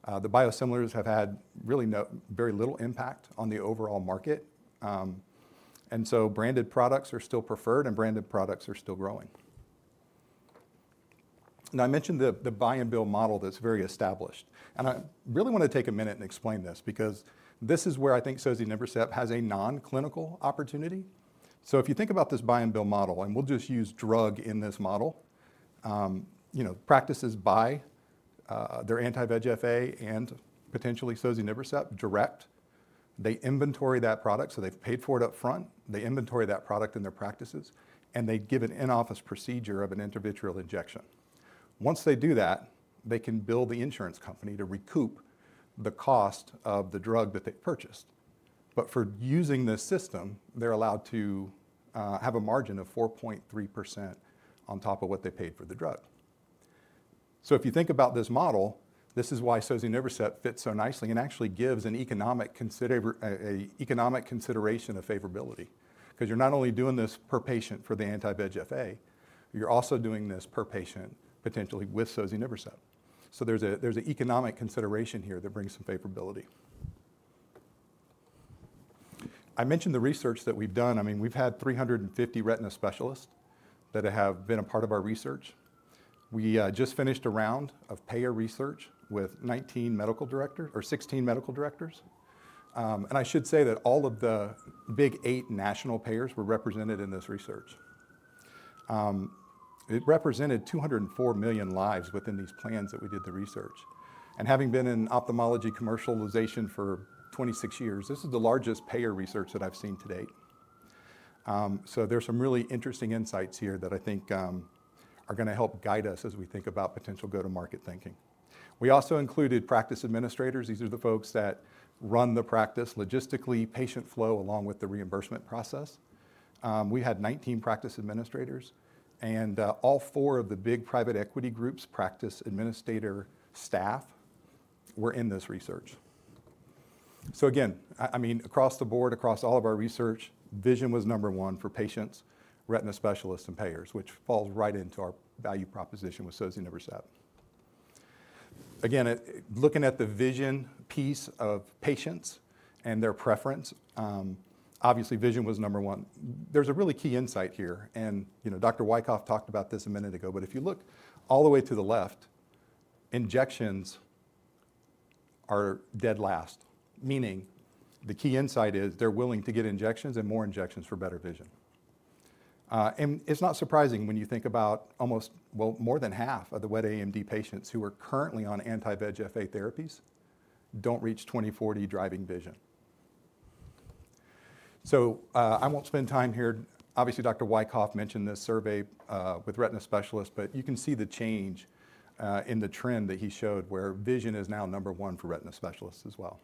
The biosimilars have had really very little impact on the overall market, and so branded products are still preferred, and branded products are still growing. Now, I mentioned the buy-and-build model that's very established, and I really want to take a minute and explain this because this is where I think sozinibrecept has a non-clinical opportunity. So if you think about this buy-and-build model, and we'll just use drug in this model, practices buy their anti-VEGF-A and potentially sozinibrecept direct. They inventory that product. So they've paid for it up front. They inventory that product in their practices, and they give an in-office procedure of an intravitreal injection. Once they do that, they can bill the insurance company to recoup the cost of the drug that they purchased. But for using this system, they're allowed to have a margin of 4.3% on top of what they paid for the drug. So if you think about this model, this is why sozinibrecept fits so nicely and actually gives an economic consideration of favorability. Because you're not only doing this per patient for the anti-VEGF-A, you're also doing this per patient potentially with sozinibrecept. So there's an economic consideration here that brings some favorability. I mentioned the research that we've done. I mean, we've had 350 retina specialists that have been a part of our research. We just finished a round of payer research with 19 medical directors or 16 medical directors. I should say that all of the big eight national payers were represented in this research. It represented 204 million lives within these plans that we did the research. Having been in ophthalmology commercialization for 26 years, this is the largest payer research that I've seen to date. There's some really interesting insights here that I think are going to help guide us as we think about potential go-to-market thinking. We also included practice administrators. These are the folks that run the practice logistically, patient flow along with the reimbursement process. We had 19 practice administrators. All four of the big private equity groups' practice administrator staff were in this research. Again, I mean, across the board, across all of our research, vision was number one for patients, retina specialists, and payers, which falls right into our value proposition with Sozinibrecept. Again, looking at the vision piece of patients and their preference, obviously, vision was number one. There's a really key insight here. And Dr. Wyckoff talked about this a minute ago. But if you look all the way to the left, injections are dead last. Meaning the key insight is they're willing to get injections and more injections for better vision. And it's not surprising when you think about almost, well, more than half of the wet AMD patients who are currently on anti-VEGF-A therapies don't reach 20/40 driving vision. So I won't spend time here. Obviously, Dr. Wyckoff mentioned this survey with retina specialists. But you can see the change in the trend that he showed where vision is now number one for retina specialists as well.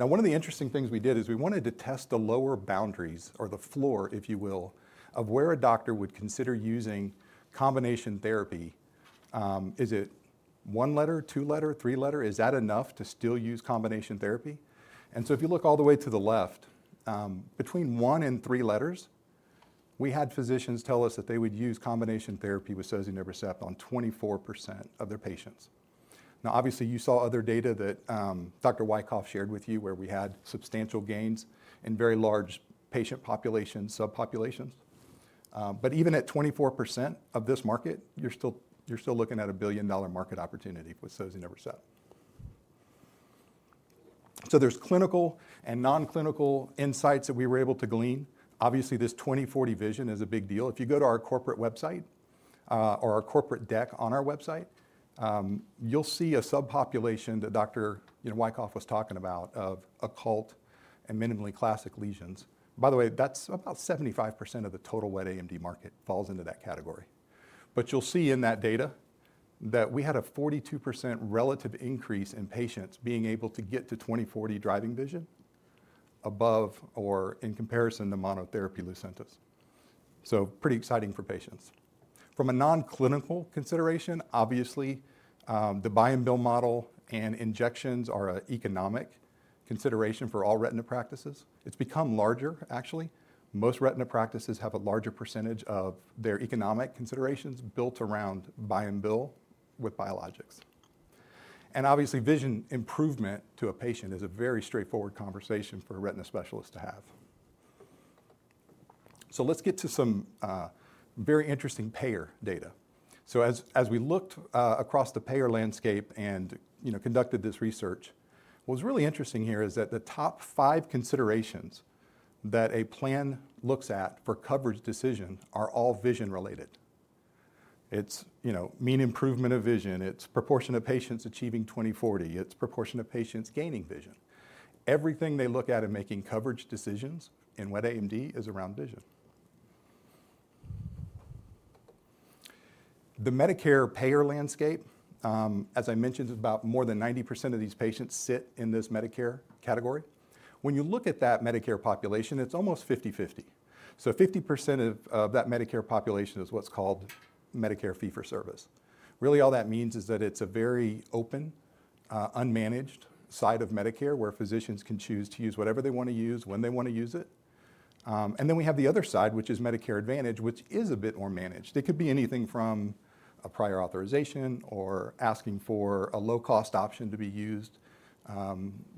Now, one of the interesting things we did is we wanted to test the lower boundaries or the floor, if you will, of where a doctor would consider using combination therapy. Is it one letter, two letter, three letter? Is that enough to still use combination therapy, and so if you look all the way to the left, between one and three letters, we had physicians tell us that they would use combination therapy with sozinibrecept on 24% of their patients. Now, obviously, you saw other data that Dr. Wyckoff shared with you where we had substantial gains in very large patient populations, subpopulations, but even at 24% of this market, you're still looking at a billion-dollar market opportunity with sozinibrecept. So there's clinical and non-clinical insights that we were able to glean. Obviously, this 20/40 vision is a big deal. If you go to our corporate website or our corporate deck on our website, you'll see a subpopulation that Dr. Wyckoff was talking about of occult and minimally classic lesions. By the way, that's about 75% of the total wet AMD market falls into that category. But you'll see in that data that we had a 42% relative increase in patients being able to get to 20/40 driving vision above or in comparison to monotherapy Lucentis. So pretty exciting for patients. From a non-clinical consideration, obviously, the buy-and-build model and injections are an economic consideration for all retina practices. It's become larger, actually. Most retina practices have a larger percentage of their economic considerations built around buy-and-build with biologics. And obviously, vision improvement to a patient is a very straightforward conversation for a retina specialist to have. So let's get to some very interesting payer data. So as we looked across the payer landscape and conducted this research, what was really interesting here is that the top five considerations that a plan looks at for coverage decision are all vision-related. It's mean improvement of vision. It's proportion of patients achieving 20/40. It's proportion of patients gaining vision. Everything they look at in making coverage decisions in wet AMD is around vision. The Medicare payer landscape, as I mentioned, about more than 90% of these patients sit in this Medicare category. When you look at that Medicare population, it's almost 50/50. So 50% of that Medicare population is what's called Medicare fee-for-service. Really, all that means is that it's a very open, unmanaged side of Medicare where physicians can choose to use whatever they want to use when they want to use it. And then we have the other side, which is Medicare Advantage, which is a bit more managed. It could be anything from a prior authorization or asking for a low-cost option to be used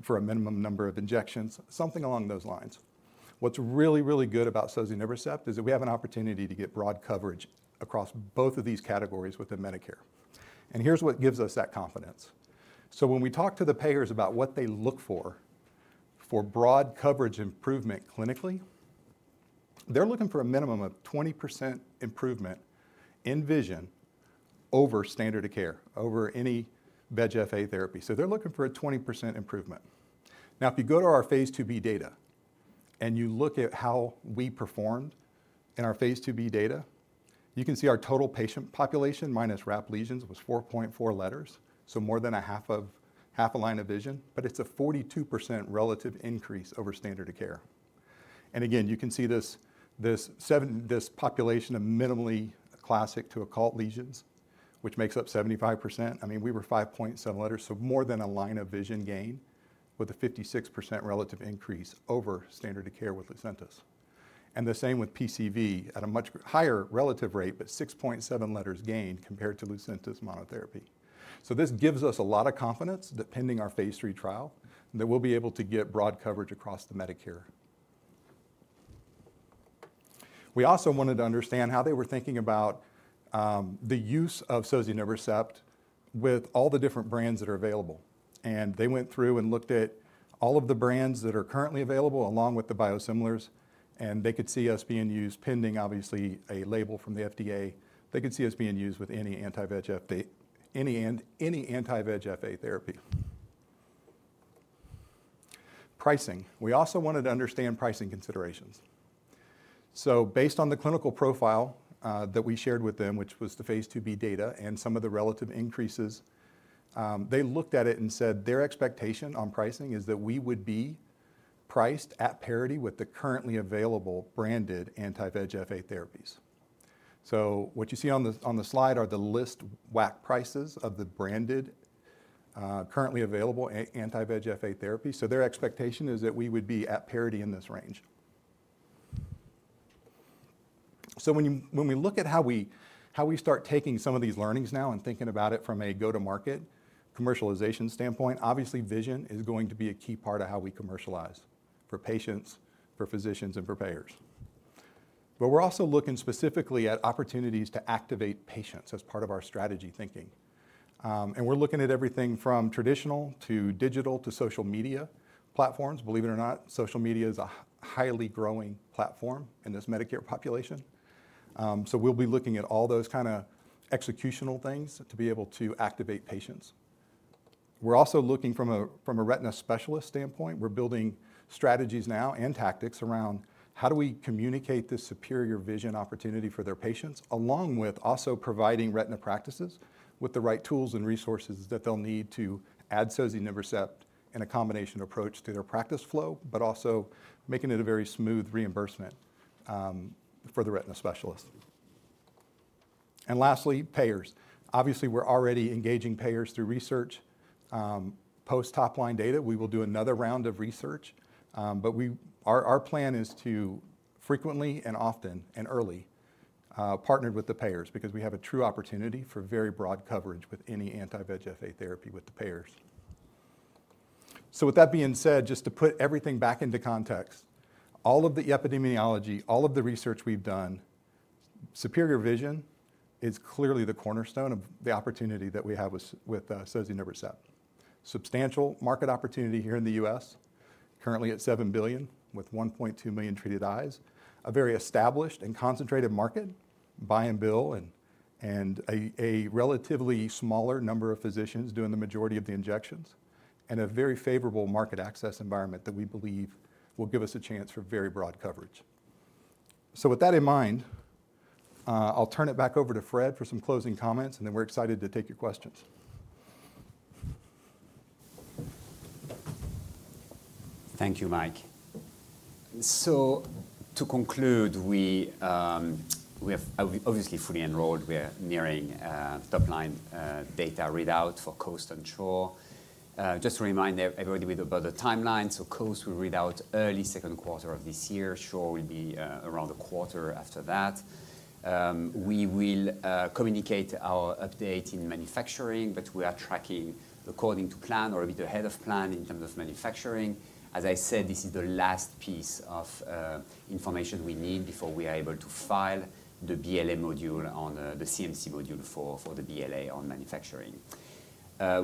for a minimum number of injections, something along those lines. What's really, really good about sozinibrecept is that we have an opportunity to get broad coverage across both of these categories within Medicare. And here's what gives us that confidence. So when we talk to the payers about what they look for for broad coverage improvement clinically, they're looking for a minimum of 20% improvement in vision over standard of care, over any VEGF-A therapy. So they're looking for a 20% improvement. Now, if you go to our phase 2B data and you look at how we performed in our phase 2B data, you can see our total patient population minus RAP lesions was 4.4 letters, so more than a half a line of vision, but it's a 42% relative increase over standard of care, and again, you can see this population of minimally classic to occult lesions, which makes up 75%. I mean, we were 5.7 letters, so more than a line of vision gain with a 56% relative increase over standard of care with Lucentis, and the same with PCV at a much higher relative rate, but 6.7 letters gain compared to Lucentis monotherapy, so this gives us a lot of confidence that pending our phase 3 trial, that we'll be able to get broad coverage across the Medicare. We also wanted to understand how they were thinking about the use of Sozinibrecept with all the different brands that are available. They went through and looked at all of the brands that are currently available along with the biosimilars. They could see us being used pending, obviously, a label from the FDA. They could see us being used with any anti-VEGF-A therapy. Pricing. We also wanted to understand pricing considerations. Based on the clinical profile that we shared with them, which was the phase 2B data and some of the relative increases, they looked at it and said their expectation on pricing is that we would be priced at parity with the currently available branded anti-VEGF-A therapies. What you see on the slide are the list WAC prices of the branded currently available anti-VEGF-A therapies. Their expectation is that we would be at parity in this range. When we look at how we start taking some of these learnings now and thinking about it from a go-to-market commercialization standpoint, obviously, vision is going to be a key part of how we commercialize for patients, for physicians, and for payers. We're also looking specifically at opportunities to activate patients as part of our strategy thinking. We're looking at everything from traditional to digital to social media platforms. Believe it or not, social media is a highly growing platform in this Medicare population. We'll be looking at all those kind of executional things to be able to activate patients. We're also looking from a retina specialist standpoint. We're building strategies now and tactics around how do we communicate this superior vision opportunity for their patients, along with also providing retina practices with the right tools and resources that they'll need to add sozinibrecept and a combination approach to their practice flow, but also making it a very smooth reimbursement for the retina specialist. And lastly, payers. Obviously, we're already engaging payers through research. Post top line data, we will do another round of research. But our plan is to frequently and often and early partner with the payers because we have a true opportunity for very broad coverage with any anti-VEGF-A therapy with the payers. So with that being said, just to put everything back into context, all of the epidemiology, all of the research we've done, superior vision is clearly the cornerstone of the opportunity that we have with sozinibrecept. Substantial market opportunity here in the U.S., currently at $7 billion with 1.2 million treated eyes, a very established and concentrated market, buy-and-build, and a relatively smaller number of physicians doing the majority of the injections, and a very favorable market access environment that we believe will give us a chance for very broad coverage. So with that in mind, I'll turn it back over to Fred for some closing comments. And then we're excited to take your questions. Thank you, Mike. So to conclude, we have obviously fully enrolled. We are nearing top-line data readout for COAST and SHORE. Just to remind everybody about the timeline. So COAST will readout early second quarter of this year. SHORE will be around a quarter after that. We will communicate our update in manufacturing. But we are tracking according to plan or a bit ahead of plan in terms of manufacturing. As I said, this is the last piece of information we need before we are able to file the BLA module on the CMC module for the BLA on manufacturing.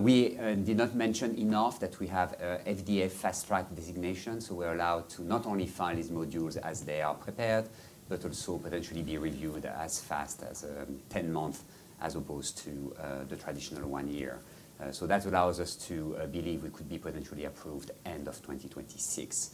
We did not mention enough that we have FDA Fast Track designation. So we're allowed to not only file these modules as they are prepared, but also potentially be reviewed as fast as 10 months as opposed to the traditional one year. So that allows us to believe we could be potentially approved end of 2026.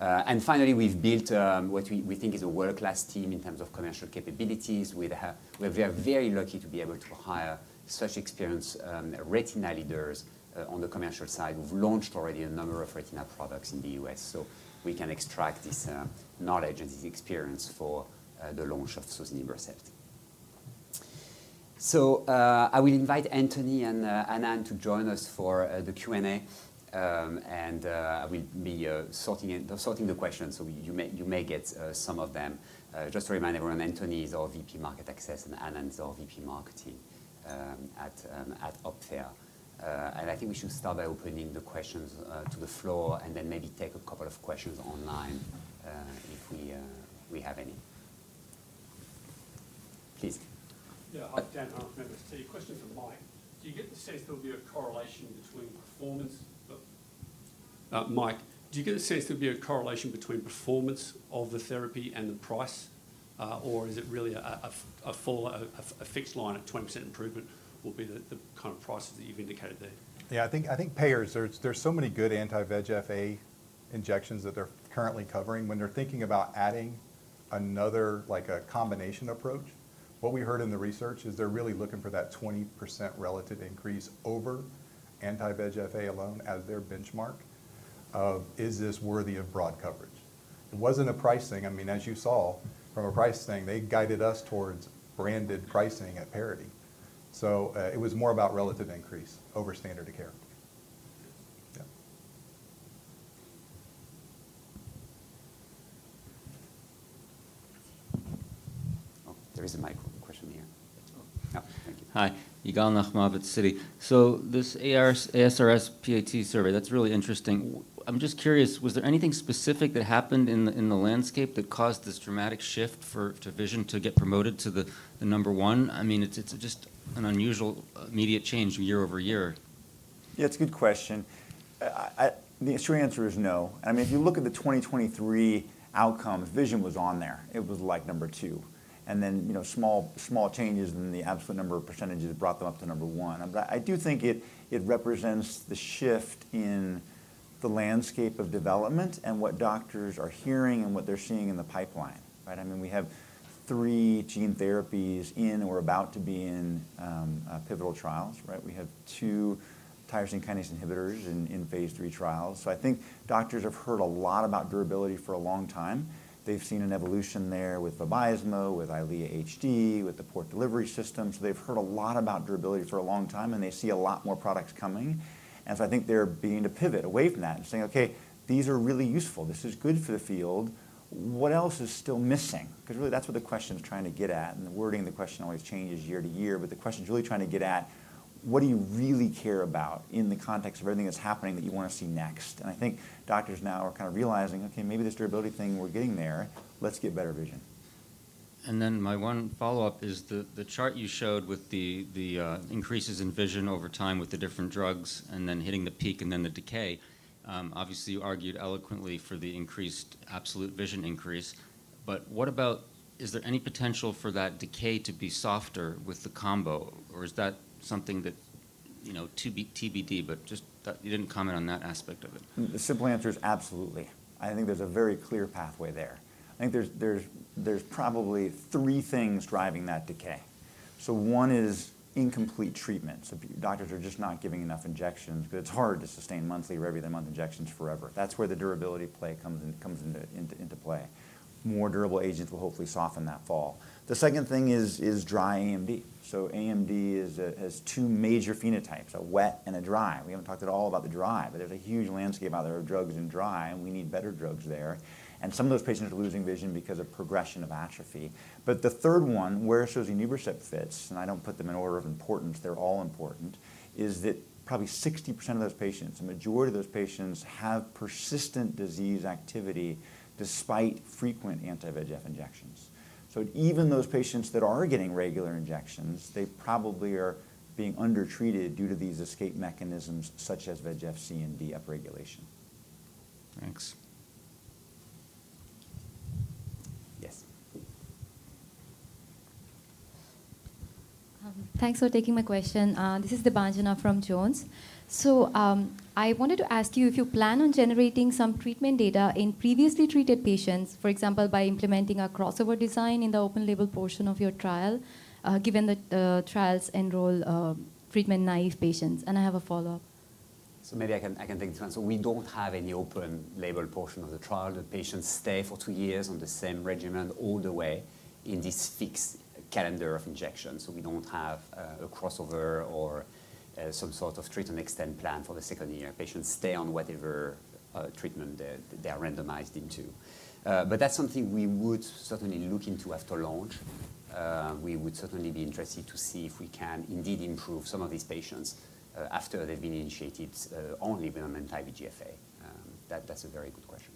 And finally, we've built what we think is a world-class team in terms of commercial capabilities. We are very lucky to be able to hire such experienced retina leaders on the commercial side. We've launched already a number of retina products in the U.S. So we can extract this knowledge and this experience for the launch of Sozinibrecept. So I will invite Anthony and Anand to join us for the Q&A. And I will be sorting the questions. So you may get some of them. Just to remind everyone, Anthony is our VP Market Access, and Anand is our VP Marketing at Opthea. And I think we should start by opening the questions to the floor and then maybe take a couple of questions online if we have any. Please. Yeah. Hi, Dan. So your question is for Mike. Do you get the sense there'll be a correlation between performance? Mike, do you get the sense there'll be a correlation between performance of the therapy and the price? Or is it really a fixed line at 20% improvement will be the kind of price that you've indicated there? Yeah. I think payers, there's so many good anti-VEGF-A injections that they're currently covering. When they're thinking about adding another like a combination approach, what we heard in the research is they're really looking for that 20% relative increase over anti-VEGF-A alone as their benchmark. Is this worthy of broad coverage? It wasn't a price thing. I mean, as you saw from a price thing, they guided us towards branded pricing at parity. So it was more about relative increase over standard of care. Yeah. Oh, there is a mic question here. Hi. Yigal Nochomovitz of Citi. So this ASRS PAT survey, that's really interesting. I'm just curious, was there anything specific that happened in the landscape that caused this dramatic shift to vision to get promoted to the number one? I mean, it's just an unusual immediate change year over year. Yeah. It's a good question. The true answer is no. I mean, if you look at the 2023 outcomes, vision was on there. It was like number two, and then small changes in the absolute number of percentages brought them up to number one, but I do think it represents the shift in the landscape of development and what doctors are hearing and what they're seeing in the pipeline. I mean, we have three gene therapies in or about to be in pivotal trials. We have two tyrosine kinase inhibitors in phase 3 trials, so I think doctors have heard a lot about durability for a long time. They've seen an evolution there with Vabysmo, with Eylea HD, with the port delivery system, so they've heard a lot about durability for a long time, and they see a lot more products coming. And so I think they're beginning to pivot away from that and saying, "OK, these are really useful. This is good for the field. What else is still missing?" Because really, that's what the question is trying to get at. And the wording of the question always changes year to year. But the question is really trying to get at, what do you really care about in the context of everything that's happening that you want to see next? And I think doctors now are kind of realizing, "OK, maybe this durability thing, we're getting there. Let's get better vision. And then my one follow-up is the chart you showed with the increases in vision over time with the different drugs and then hitting the peak and then the decay. Obviously, you argued eloquently for the increased absolute vision increase. But what about, is there any potential for that decay to be softer with the combo? Or is that something that TBD, but you didn't comment on that aspect of it. The simple answer is absolutely. I think there's a very clear pathway there. I think there's probably three things driving that decay. So one is incomplete treatments. Doctors are just not giving enough injections because it's hard to sustain monthly or every other month injections forever. That's where the durability play comes into play. More durable agents will hopefully soften that fall. The second thing is dry AMD. So AMD has two major phenotypes, a wet and a dry. We haven't talked at all about the dry. But there's a huge landscape out there of drugs in dry. And we need better drugs there. And some of those patients are losing vision because of progression of atrophy. But the third one, where sozinibrecept fits, and I don't put them in order of importance. They're all important, that is, probably 60% of those patients, the majority of those patients, have persistent disease activity despite frequent anti-VEGF injections, so even those patients that are getting regular injections, they probably are being undertreated due to these escape mechanisms such as VEGF-C and VEGF-D upregulation. Thanks. Yes. Thanks for taking my question. This is Debanjana from Jones. So I wanted to ask you if you plan on generating some treatment data in previously treated patients, for example, by implementing a crossover design in the open label portion of your trial, given the trial's enrolled treatment naive patients? And I have a follow-up. Maybe I can take this one. We don't have any open-label portion of the trial. The patients stay for two years on the same regimen all the way in this fixed calendar of injections. We don't have a crossover or some sort of treatment extension plan for the second year. Patients stay on whatever treatment they are randomized into. That's something we would certainly look into after launch. We would certainly be interested to see if we can indeed improve some of these patients after they've been initiated only with an anti-VEGF-A. That's a very good question.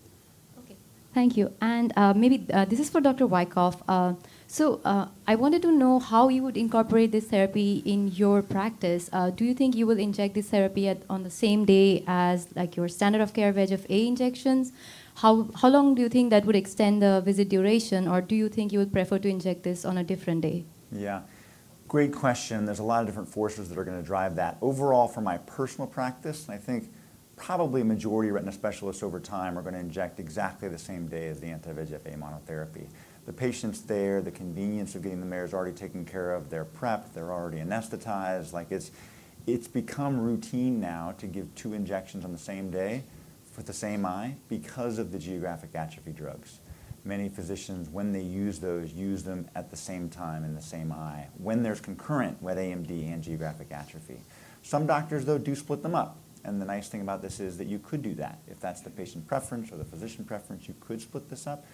OK. Thank you. And maybe this is for Dr. Wyckoff. So I wanted to know how you would incorporate this therapy in your practice. Do you think you will inject this therapy on the same day as your standard of care VEGF A injections? How long do you think that would extend the visit duration? Or do you think you would prefer to inject this on a different day? Yeah. Great question. There's a lot of different forces that are going to drive that. Overall, for my personal practice, I think probably a majority of retina specialists over time are going to inject exactly the same day as the anti-VEGF-A monotherapy. The patients there, the convenience of getting them there is already taken care of. They're prepped. They're already anesthetized. It's become routine now to give two injections on the same day for the same eye because of the Geographic Atrophy drugs. Many physicians, when they use those, use them at the same time in the same eye when there's concurrent wet AMD and geographic atrophy. Some doctors, though, do split them up, and the nice thing about this is that you could do that. If that's the patient preference or the physician preference, you could split this up.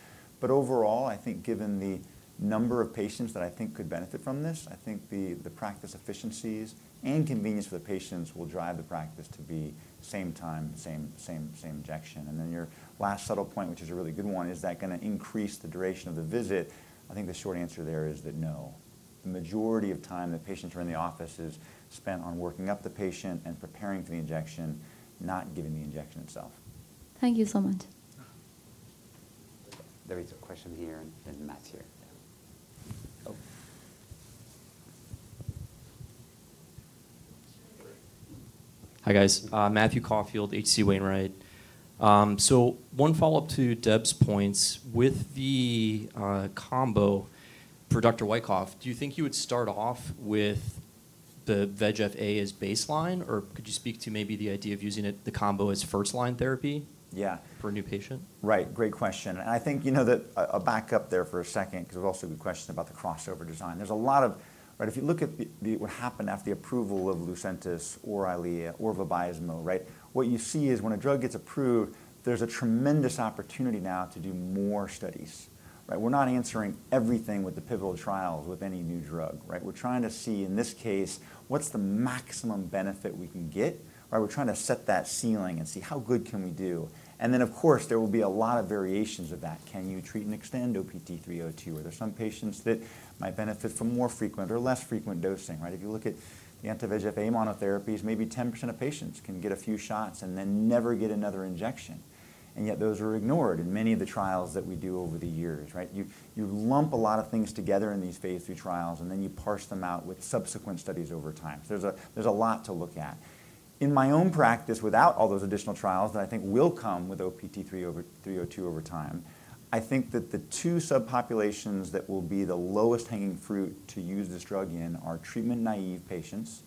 But overall, I think given the number of patients that I think could benefit from this, I think the practice efficiencies and convenience for the patients will drive the practice to be same time, same injection. And then your last subtle point, which is a really good one, is that going to increase the duration of the visit? I think the short answer there is that no. The majority of time that patients are in the office is spent on working up the patient and preparing for the injection, not giving the injection itself. Thank you so much. There is a question here and then Matt's here. Hi, guys. Matthew Caulfield, H.C. Wainwright. So one follow-up to Deb's points. With the combo for Dr. Wyckoff, do you think you would start off with the VEGF-A as baseline? Or could you speak to maybe the idea of using the combo as first line therapy for a new patient? Yeah. Right. Great question, and I think you know, back up there for a second because there's also a good question about the crossover design. There's a lot of, if you look at what happened after the approval of Lucentis or Eylea or Vabysmo, what you see is when a drug gets approved, there's a tremendous opportunity now to do more studies. We're not answering everything with the pivotal trials with any new drug. We're trying to see, in this case, what's the maximum benefit we can get. We're trying to set that ceiling and see how good we can do. And then, of course, there will be a lot of variations of that. Can you treat and extend OPT-302? Or there are some patients that might benefit from more frequent or less frequent dosing. If you look at the anti-VEGF-A monotherapies, maybe 10% of patients can get a few shots and then never get another injection, and yet those are ignored in many of the trials that we do over the years. You lump a lot of things together in these phase 3 trials, and then you parse them out with subsequent studies over time, so there's a lot to look at. In my own practice, without all those additional trials that I think will come with OPT-302 over time, I think that the two subpopulations that will be the lowest hanging fruit to use this drug in are treatment naive patients,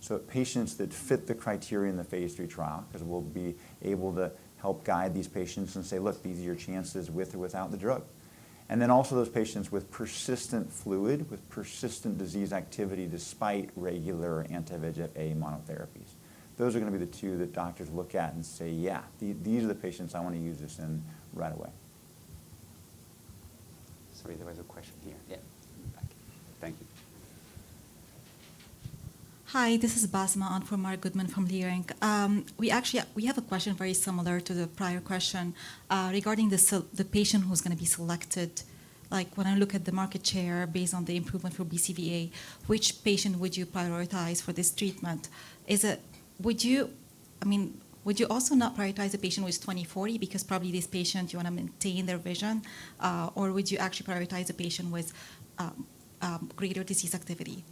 so patients that fit the criteria in the phase 3 trial because we'll be able to help guide these patients and say, look, these are your chances with or without the drug. Then also those patients with persistent fluid, with persistent disease activity despite regular anti-VEGF-A monotherapies. Those are going to be the two that doctors look at and say, yeah, these are the patients I want to use this in right away. Sorry, there was a question here. Yeah. Thank you. Hi. This is Basma Radwan from Leerink. We have a question very similar to the prior question regarding the patient who's going to be selected. When I look at the market share based on the improvement for BCVA, which patient would you prioritize for this treatment? I mean, would you also not prioritize a patient who is 20/40 because probably this patient, you want to maintain their vision? Or would you actually prioritize a patient with greater disease activity?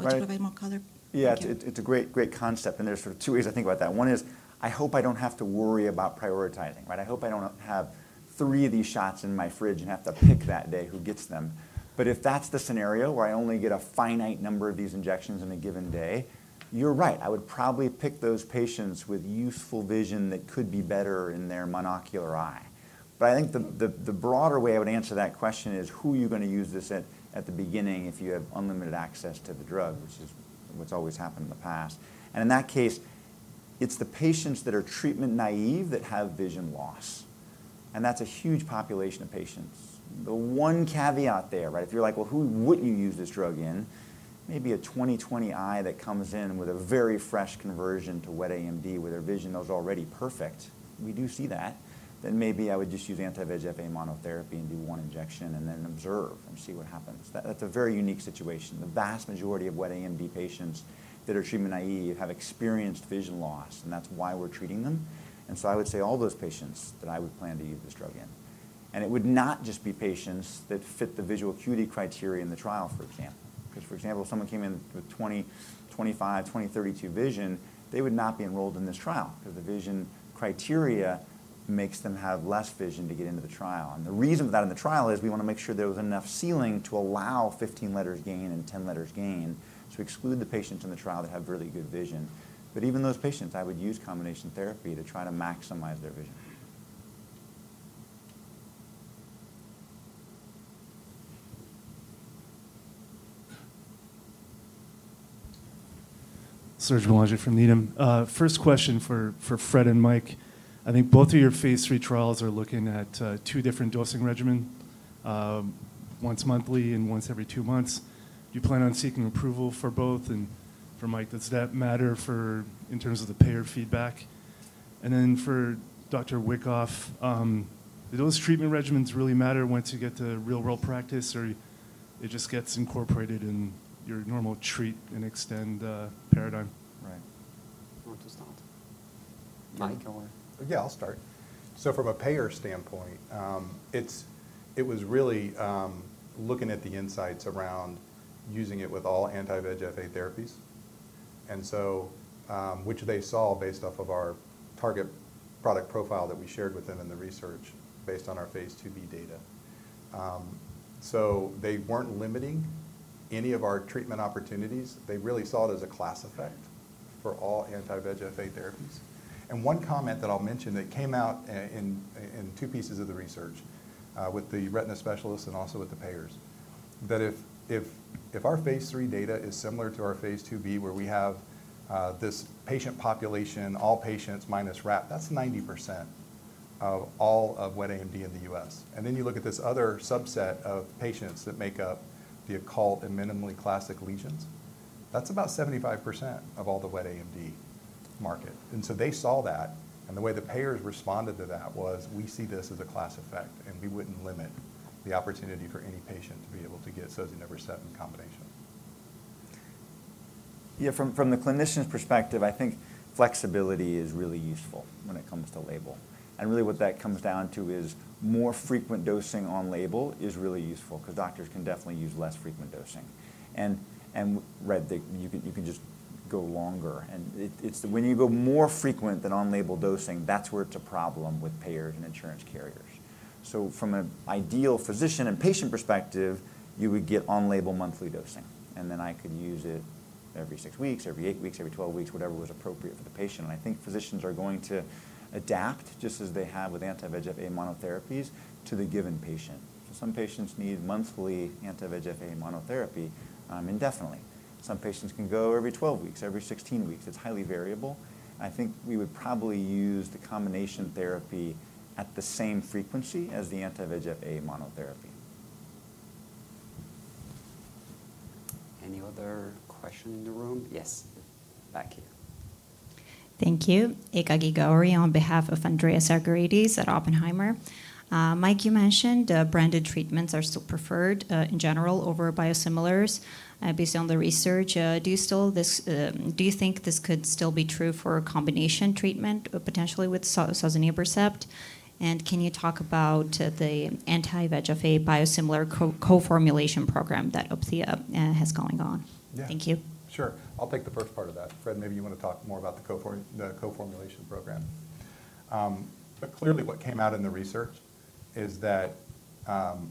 Would you provide more color? Yeah. It's a great concept. And there's sort of two ways I think about that. One is, I hope I don't have to worry about prioritizing. I hope I don't have three of these shots in my fridge and have to pick that day who gets them. But if that's the scenario where I only get a finite number of these injections in a given day, you're right. I would probably pick those patients with useful vision that could be better in their monocular eye. But I think the broader way I would answer that question is, who are you going to use this at the beginning if you have unlimited access to the drug, which is what's always happened in the past? And in that case, it's the patients that are treatment naive that have vision loss. And that's a huge population of patients. The one caveat there, if you're like, well, who wouldn't you use this drug in? Maybe a 20/20 eye that comes in with a very fresh conversion to wet AMD where their vision is already perfect. We do see that. Then maybe I would just use anti-VEGF-A monotherapy and do one injection and then observe and see what happens. That's a very unique situation. The vast majority of wet AMD patients that are treatment naive have experienced vision loss. And that's why we're treating them. And so I would say all those patients that I would plan to use this drug in. And it would not just be patients that fit the visual acuity criteria in the trial, for example. Because, for example, if someone came in with 20/25, 20/32 vision, they would not be enrolled in this trial because the vision criteria makes them have less vision to get into the trial, and the reason for that in the trial is we want to make sure there was enough ceiling to allow 15 letters gain and 10 letters gain, so we exclude the patients in the trial that have really good vision, but even those patients, I would use combination therapy to try to maximize their vision. Serge Belanger from Needham. First question for Fred and Mike. I think both of your phase 3 trials are looking at two different dosing regimens, once monthly and once every two months. Do you plan on seeking approval for both? And for Mike, does that matter in terms of the payer feedback? And then for Dr. Wyckoff, do those treatment regimens really matter once you get to real-world practice? Or it just gets incorporated in your normal treat and extend paradigm? Right. Want to start? Yeah, I'll start. So from a payer standpoint, it was really looking at the insights around using it with all anti-VEGF-A therapies. And so which they saw based off of our target product profile that we shared with them in the research based on our phase 2b data. So they weren't limiting any of our treatment opportunities. They really saw it as a class effect for all anti-VEGF-A therapies. And one comment that I'll mention that came out in two pieces of the research with the retina specialists and also with the payers, that if our phase 3 data is similar to our phase 2b where we have this patient population, all patients minus RAP, that's 90% of all of wet AMD in the U.S. And then you look at this other subset of patients that make up the occult and minimally classic lesions. That's about 75% of all the wet AMD market. And so they saw that. And the way the payers responded to that was, we see this as a class effect. And we wouldn't limit the opportunity for any patient to be able to get sozinibrecept in combination. Yeah. From the clinician's perspective, I think flexibility is really useful when it comes to label. And really what that comes down to is more frequent dosing on label is really useful because doctors can definitely use less frequent dosing. And you can just go longer. And when you go more frequent than on label dosing, that's where it's a problem with payers and insurance carriers. So from an ideal physician and patient perspective, you would get on label monthly dosing. And then I could use it every six weeks, every eight weeks, every 12 weeks, whatever was appropriate for the patient. And I think physicians are going to adapt just as they have with anti-VEGF-A monotherapies to the given patient. So some patients need monthly anti-VEGF-A monotherapy indefinitely. Some patients can go every 12 weeks, every 16 weeks. It's highly variable. I think we would probably use the combination therapy at the same frequency as the anti-VEGF-A monotherapy. Any other question in the room? Yes. Back here. Thank you. Eka Gigauri on behalf of Andreas Argyrides at Oppenheimer. Mike, you mentioned branded treatments are still preferred in general over biosimilars based on the research. Do you think this could still be true for a combination treatment potentially with sozinibrecept? And can you talk about the anti-VEGF-A biosimilar co-formulation program that Opthea has going on? Thank you. Sure. I'll take the first part of that. Fred, maybe you want to talk more about the co-formulation program. But clearly what came out in the research is that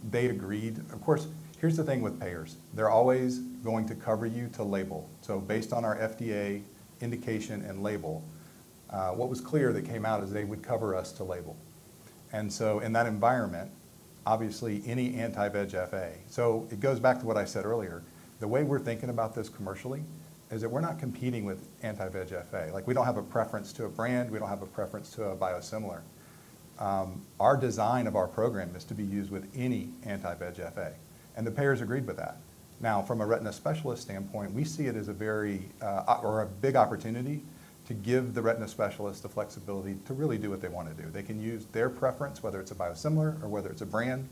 they agreed. Of course, here's the thing with payers. They're always going to cover you to label. So based on our FDA indication and label, what was clear that came out is they would cover us to label. And so in that environment, obviously any anti-VEGF-A so it goes back to what I said earlier. The way we're thinking about this commercially is that we're not competing with anti-VEGF-A. We don't have a preference to a brand. We don't have a preference to a biosimilar. Our design of our program is to be used with any anti-VEGF-A. And the payers agreed with that. Now, from a retina specialist standpoint, we see it as a big opportunity to give the retina specialist the flexibility to really do what they want to do. They can use their preference, whether it's a biosimilar or whether it's a brand.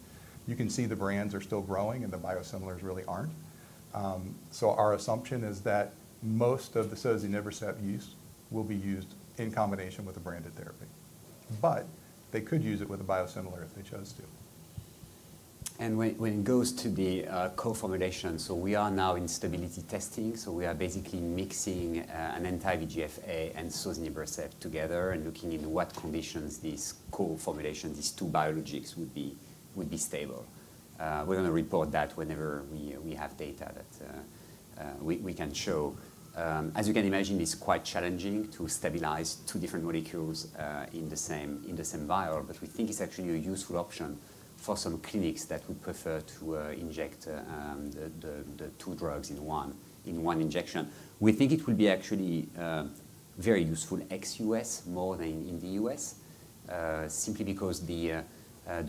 You can see the brands are still growing and the biosimilars really aren't. So our assumption is that most of the Sozinibrecept use will be used in combination with a branded therapy. But they could use it with a biosimilar if they chose to. When it goes to the co-formulation, so we are now in stability testing. So we are basically mixing an anti-VEGF-A and sozinibrecept together and looking into what conditions these co-formulations, these two biologics would be stable. We're going to report that whenever we have data that we can show. As you can imagine, it's quite challenging to stabilize two different molecules in the same vial. But we think it's actually a useful option for some clinics that would prefer to inject the two drugs in one injection. We think it will be actually very useful ex US more than in the US simply because the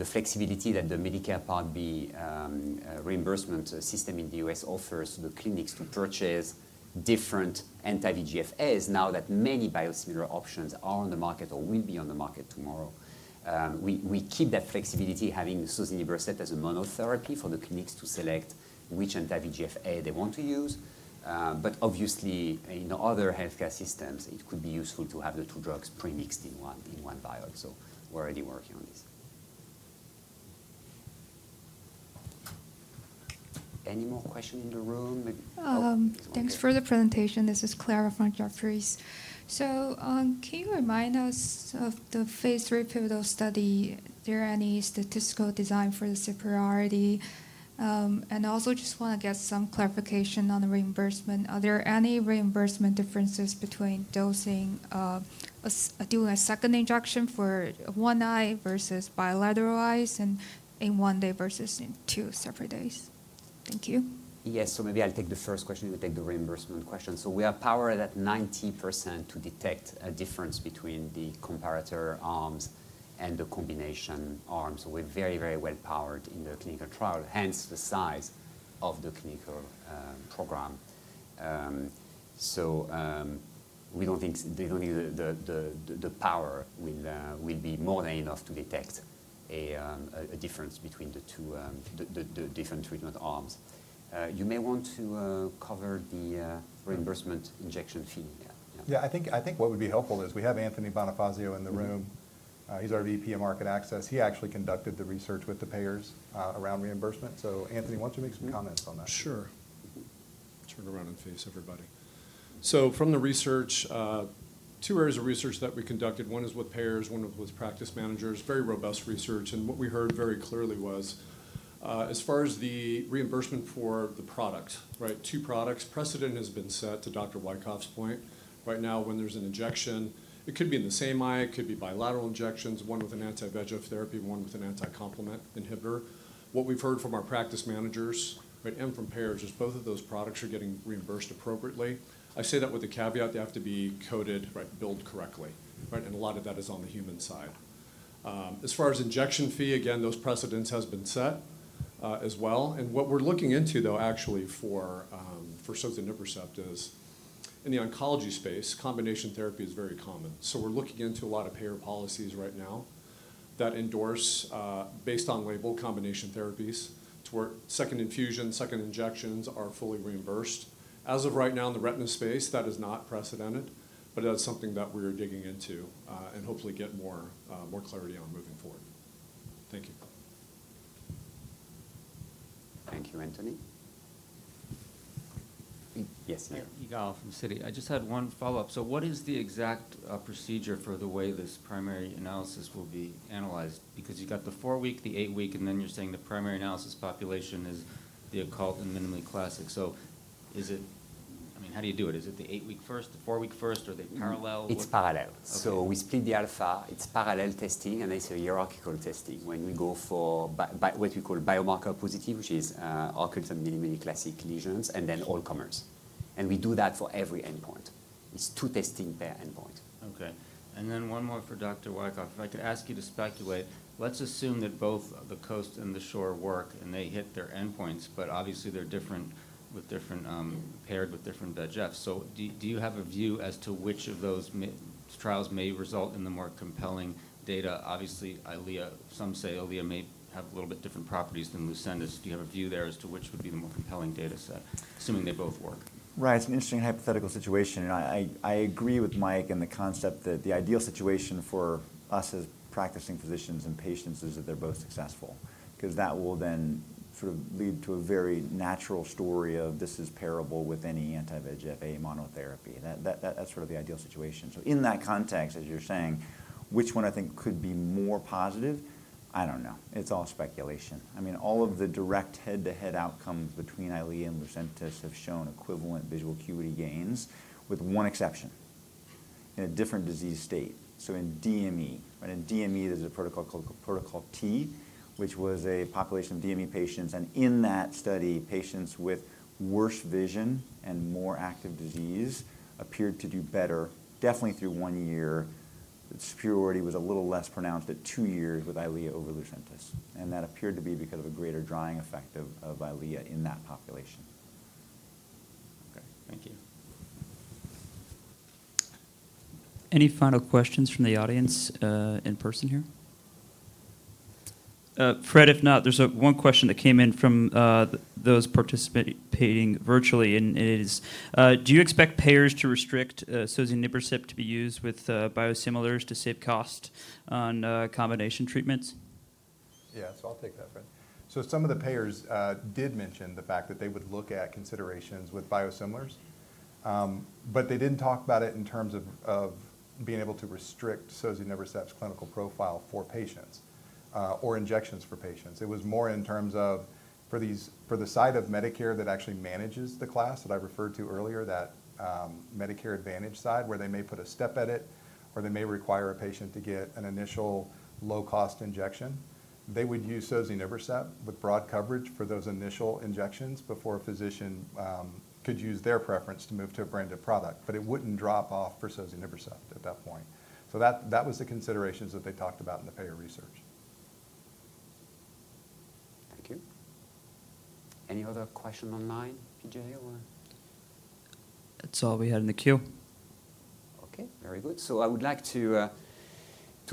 flexibility that the Medicare Part B reimbursement system in the US offers to the clinics to purchase different anti-VEGF-A's now that many biosimilar options are on the market or will be on the market tomorrow. We keep that flexibility having sozinibrecept as a monotherapy for the clinics to select which anti-VEGF-A they want to use. But obviously, in other health care systems, it could be useful to have the two drugs premixed in one vial. So we're already working on this. Any more questions in the room? Oh, thanks for the presentation. This is Claire from Jefferies. So can you remind us of the phase 3 pivotal study? Is there any statistical design for the superiority? And also just want to get some clarification on the reimbursement. Are there any reimbursement differences between dosing, doing a second injection for one eye versus bilateral eyes and in one day versus in two separate days? Thank you. Yes. So maybe I'll take the first question. You will take the reimbursement question. So we have power at 90% to detect a difference between the comparator arms and the combination arms. So we're very, very well powered in the clinical trial. Hence the size of the clinical program. So we don't think the power will be more than enough to detect a difference between the different treatment arms. You may want to cover the reimbursement injection fee. Yeah. I think what would be helpful is we have Anthony Bonifazio in the room. He's our VP of Market Access. He actually conducted the research with the payers around reimbursement. So Anthony, why don't you make some comments on that? Sure. Turn around and face everybody. So from the research, two areas of research that we conducted. One is with payers, one with practice managers. Very robust research. And what we heard very clearly was as far as the reimbursement for the product, two products, precedent has been set to Dr. Wyckoff's point. Right now, when there's an injection, it could be in the same eye. It could be bilateral injections, one with an anti-VEGF therapy, one with an anti-complement inhibitor. What we've heard from our practice managers and from payers is both of those products are getting reimbursed appropriately. I say that with the caveat they have to be coded billed correctly. And a lot of that is on the human side. As far as injection fee, again, those precedents have been set as well. And what we're looking into though actually for sozinibrecept is in the oncology space, combination therapy is very common. So we're looking into a lot of payer policies right now that endorse based on label combination therapies to where second infusion, second injections are fully reimbursed. As of right now in the retina space, that is not precedented. But that's something that we are digging into and hopefully get more clarity on moving forward. Thank you. Thank you, Anthony. Yes, sir. Eka from Oppenheimer. I just had one follow-up. So what is the exact procedure for the way this primary analysis will be analyzed? Because you've got the four-week, the eight-week, and then you're saying the primary analysis population is the occult and minimally classic. So is it, I mean, how do you do it? Is it the eight-week first, the four-week first, or are they parallel? It's parallel. So we split the alpha. It's parallel testing and it's a hierarchical testing when we go for what we call biomarker positive, which is occult and minimally classic lesions, and then all comers. And we do that for every endpoint. It's two testing per endpoint. OK. And then one more for Dr. Wyckoff. If I could ask you to speculate, let's assume that both the COAST and the SHORE work and they hit their endpoints. But obviously they're paired with different VEGFs. So do you have a view as to which of those trials may result in the more compelling data? Obviously, some say Eylea may have a little bit different properties than Lucentis. Do you have a view there as to which would be the more compelling data set, assuming they both work? Right. It's an interesting hypothetical situation, and I agree with Mike and the concept that the ideal situation for us as practicing physicians and patients is that they're both successful. Because that will then sort of lead to a very natural story of this is parallel with any anti-VEGF-A monotherapy. That's sort of the ideal situation. In that context, as you're saying, which one I think could be more positive, I don't know. It's all speculation. I mean, all of the direct head-to-head outcomes between Eylea and Lucentis have shown equivalent visual acuity gains with one exception in a different disease state. In DME, there's a protocol called Protocol T, which was a population of DME patients. In that study, patients with worse vision and more active disease appeared to do better. Definitely through one year, the superiority was a little less pronounced at two years with Eylea over Lucentis, and that appeared to be because of a greater drying effect of Eylea in that population. Thank you. Any final questions from the audience in person here? Fred, if not, there's one question that came in from those participating virtually, and it is, do you expect payers to restrict sozinibrecept to be used with biosimilars to save cost on combination treatments? Yeah. So I'll take that, Fred. So some of the payers did mention the fact that they would look at considerations with biosimilars. But they didn't talk about it in terms of being able to restrict Sozinibrecept's clinical profile for patients or injections for patients. It was more in terms of for the side of Medicare that actually manages the class that I referred to earlier, that Medicare Advantage side, where they may put a step at it or they may require a patient to get an initial low-cost injection. They would use Sozinibrecept with broad coverage for those initial injections before a physician could use their preference to move to a branded product. But it wouldn't drop off for Sozinibrecept at that point. So that was the considerations that they talked about in the payer research. Thank you. Any other question online, PJ, or? That's all we had in the queue. OK. Very good. I would like to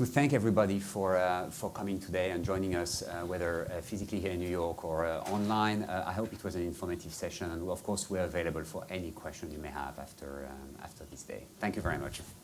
thank everybody for coming today and joining us, whether physically here in New York or online. I hope it was an informative session. Of course, we're available for any question you may have after this day. Thank you very much.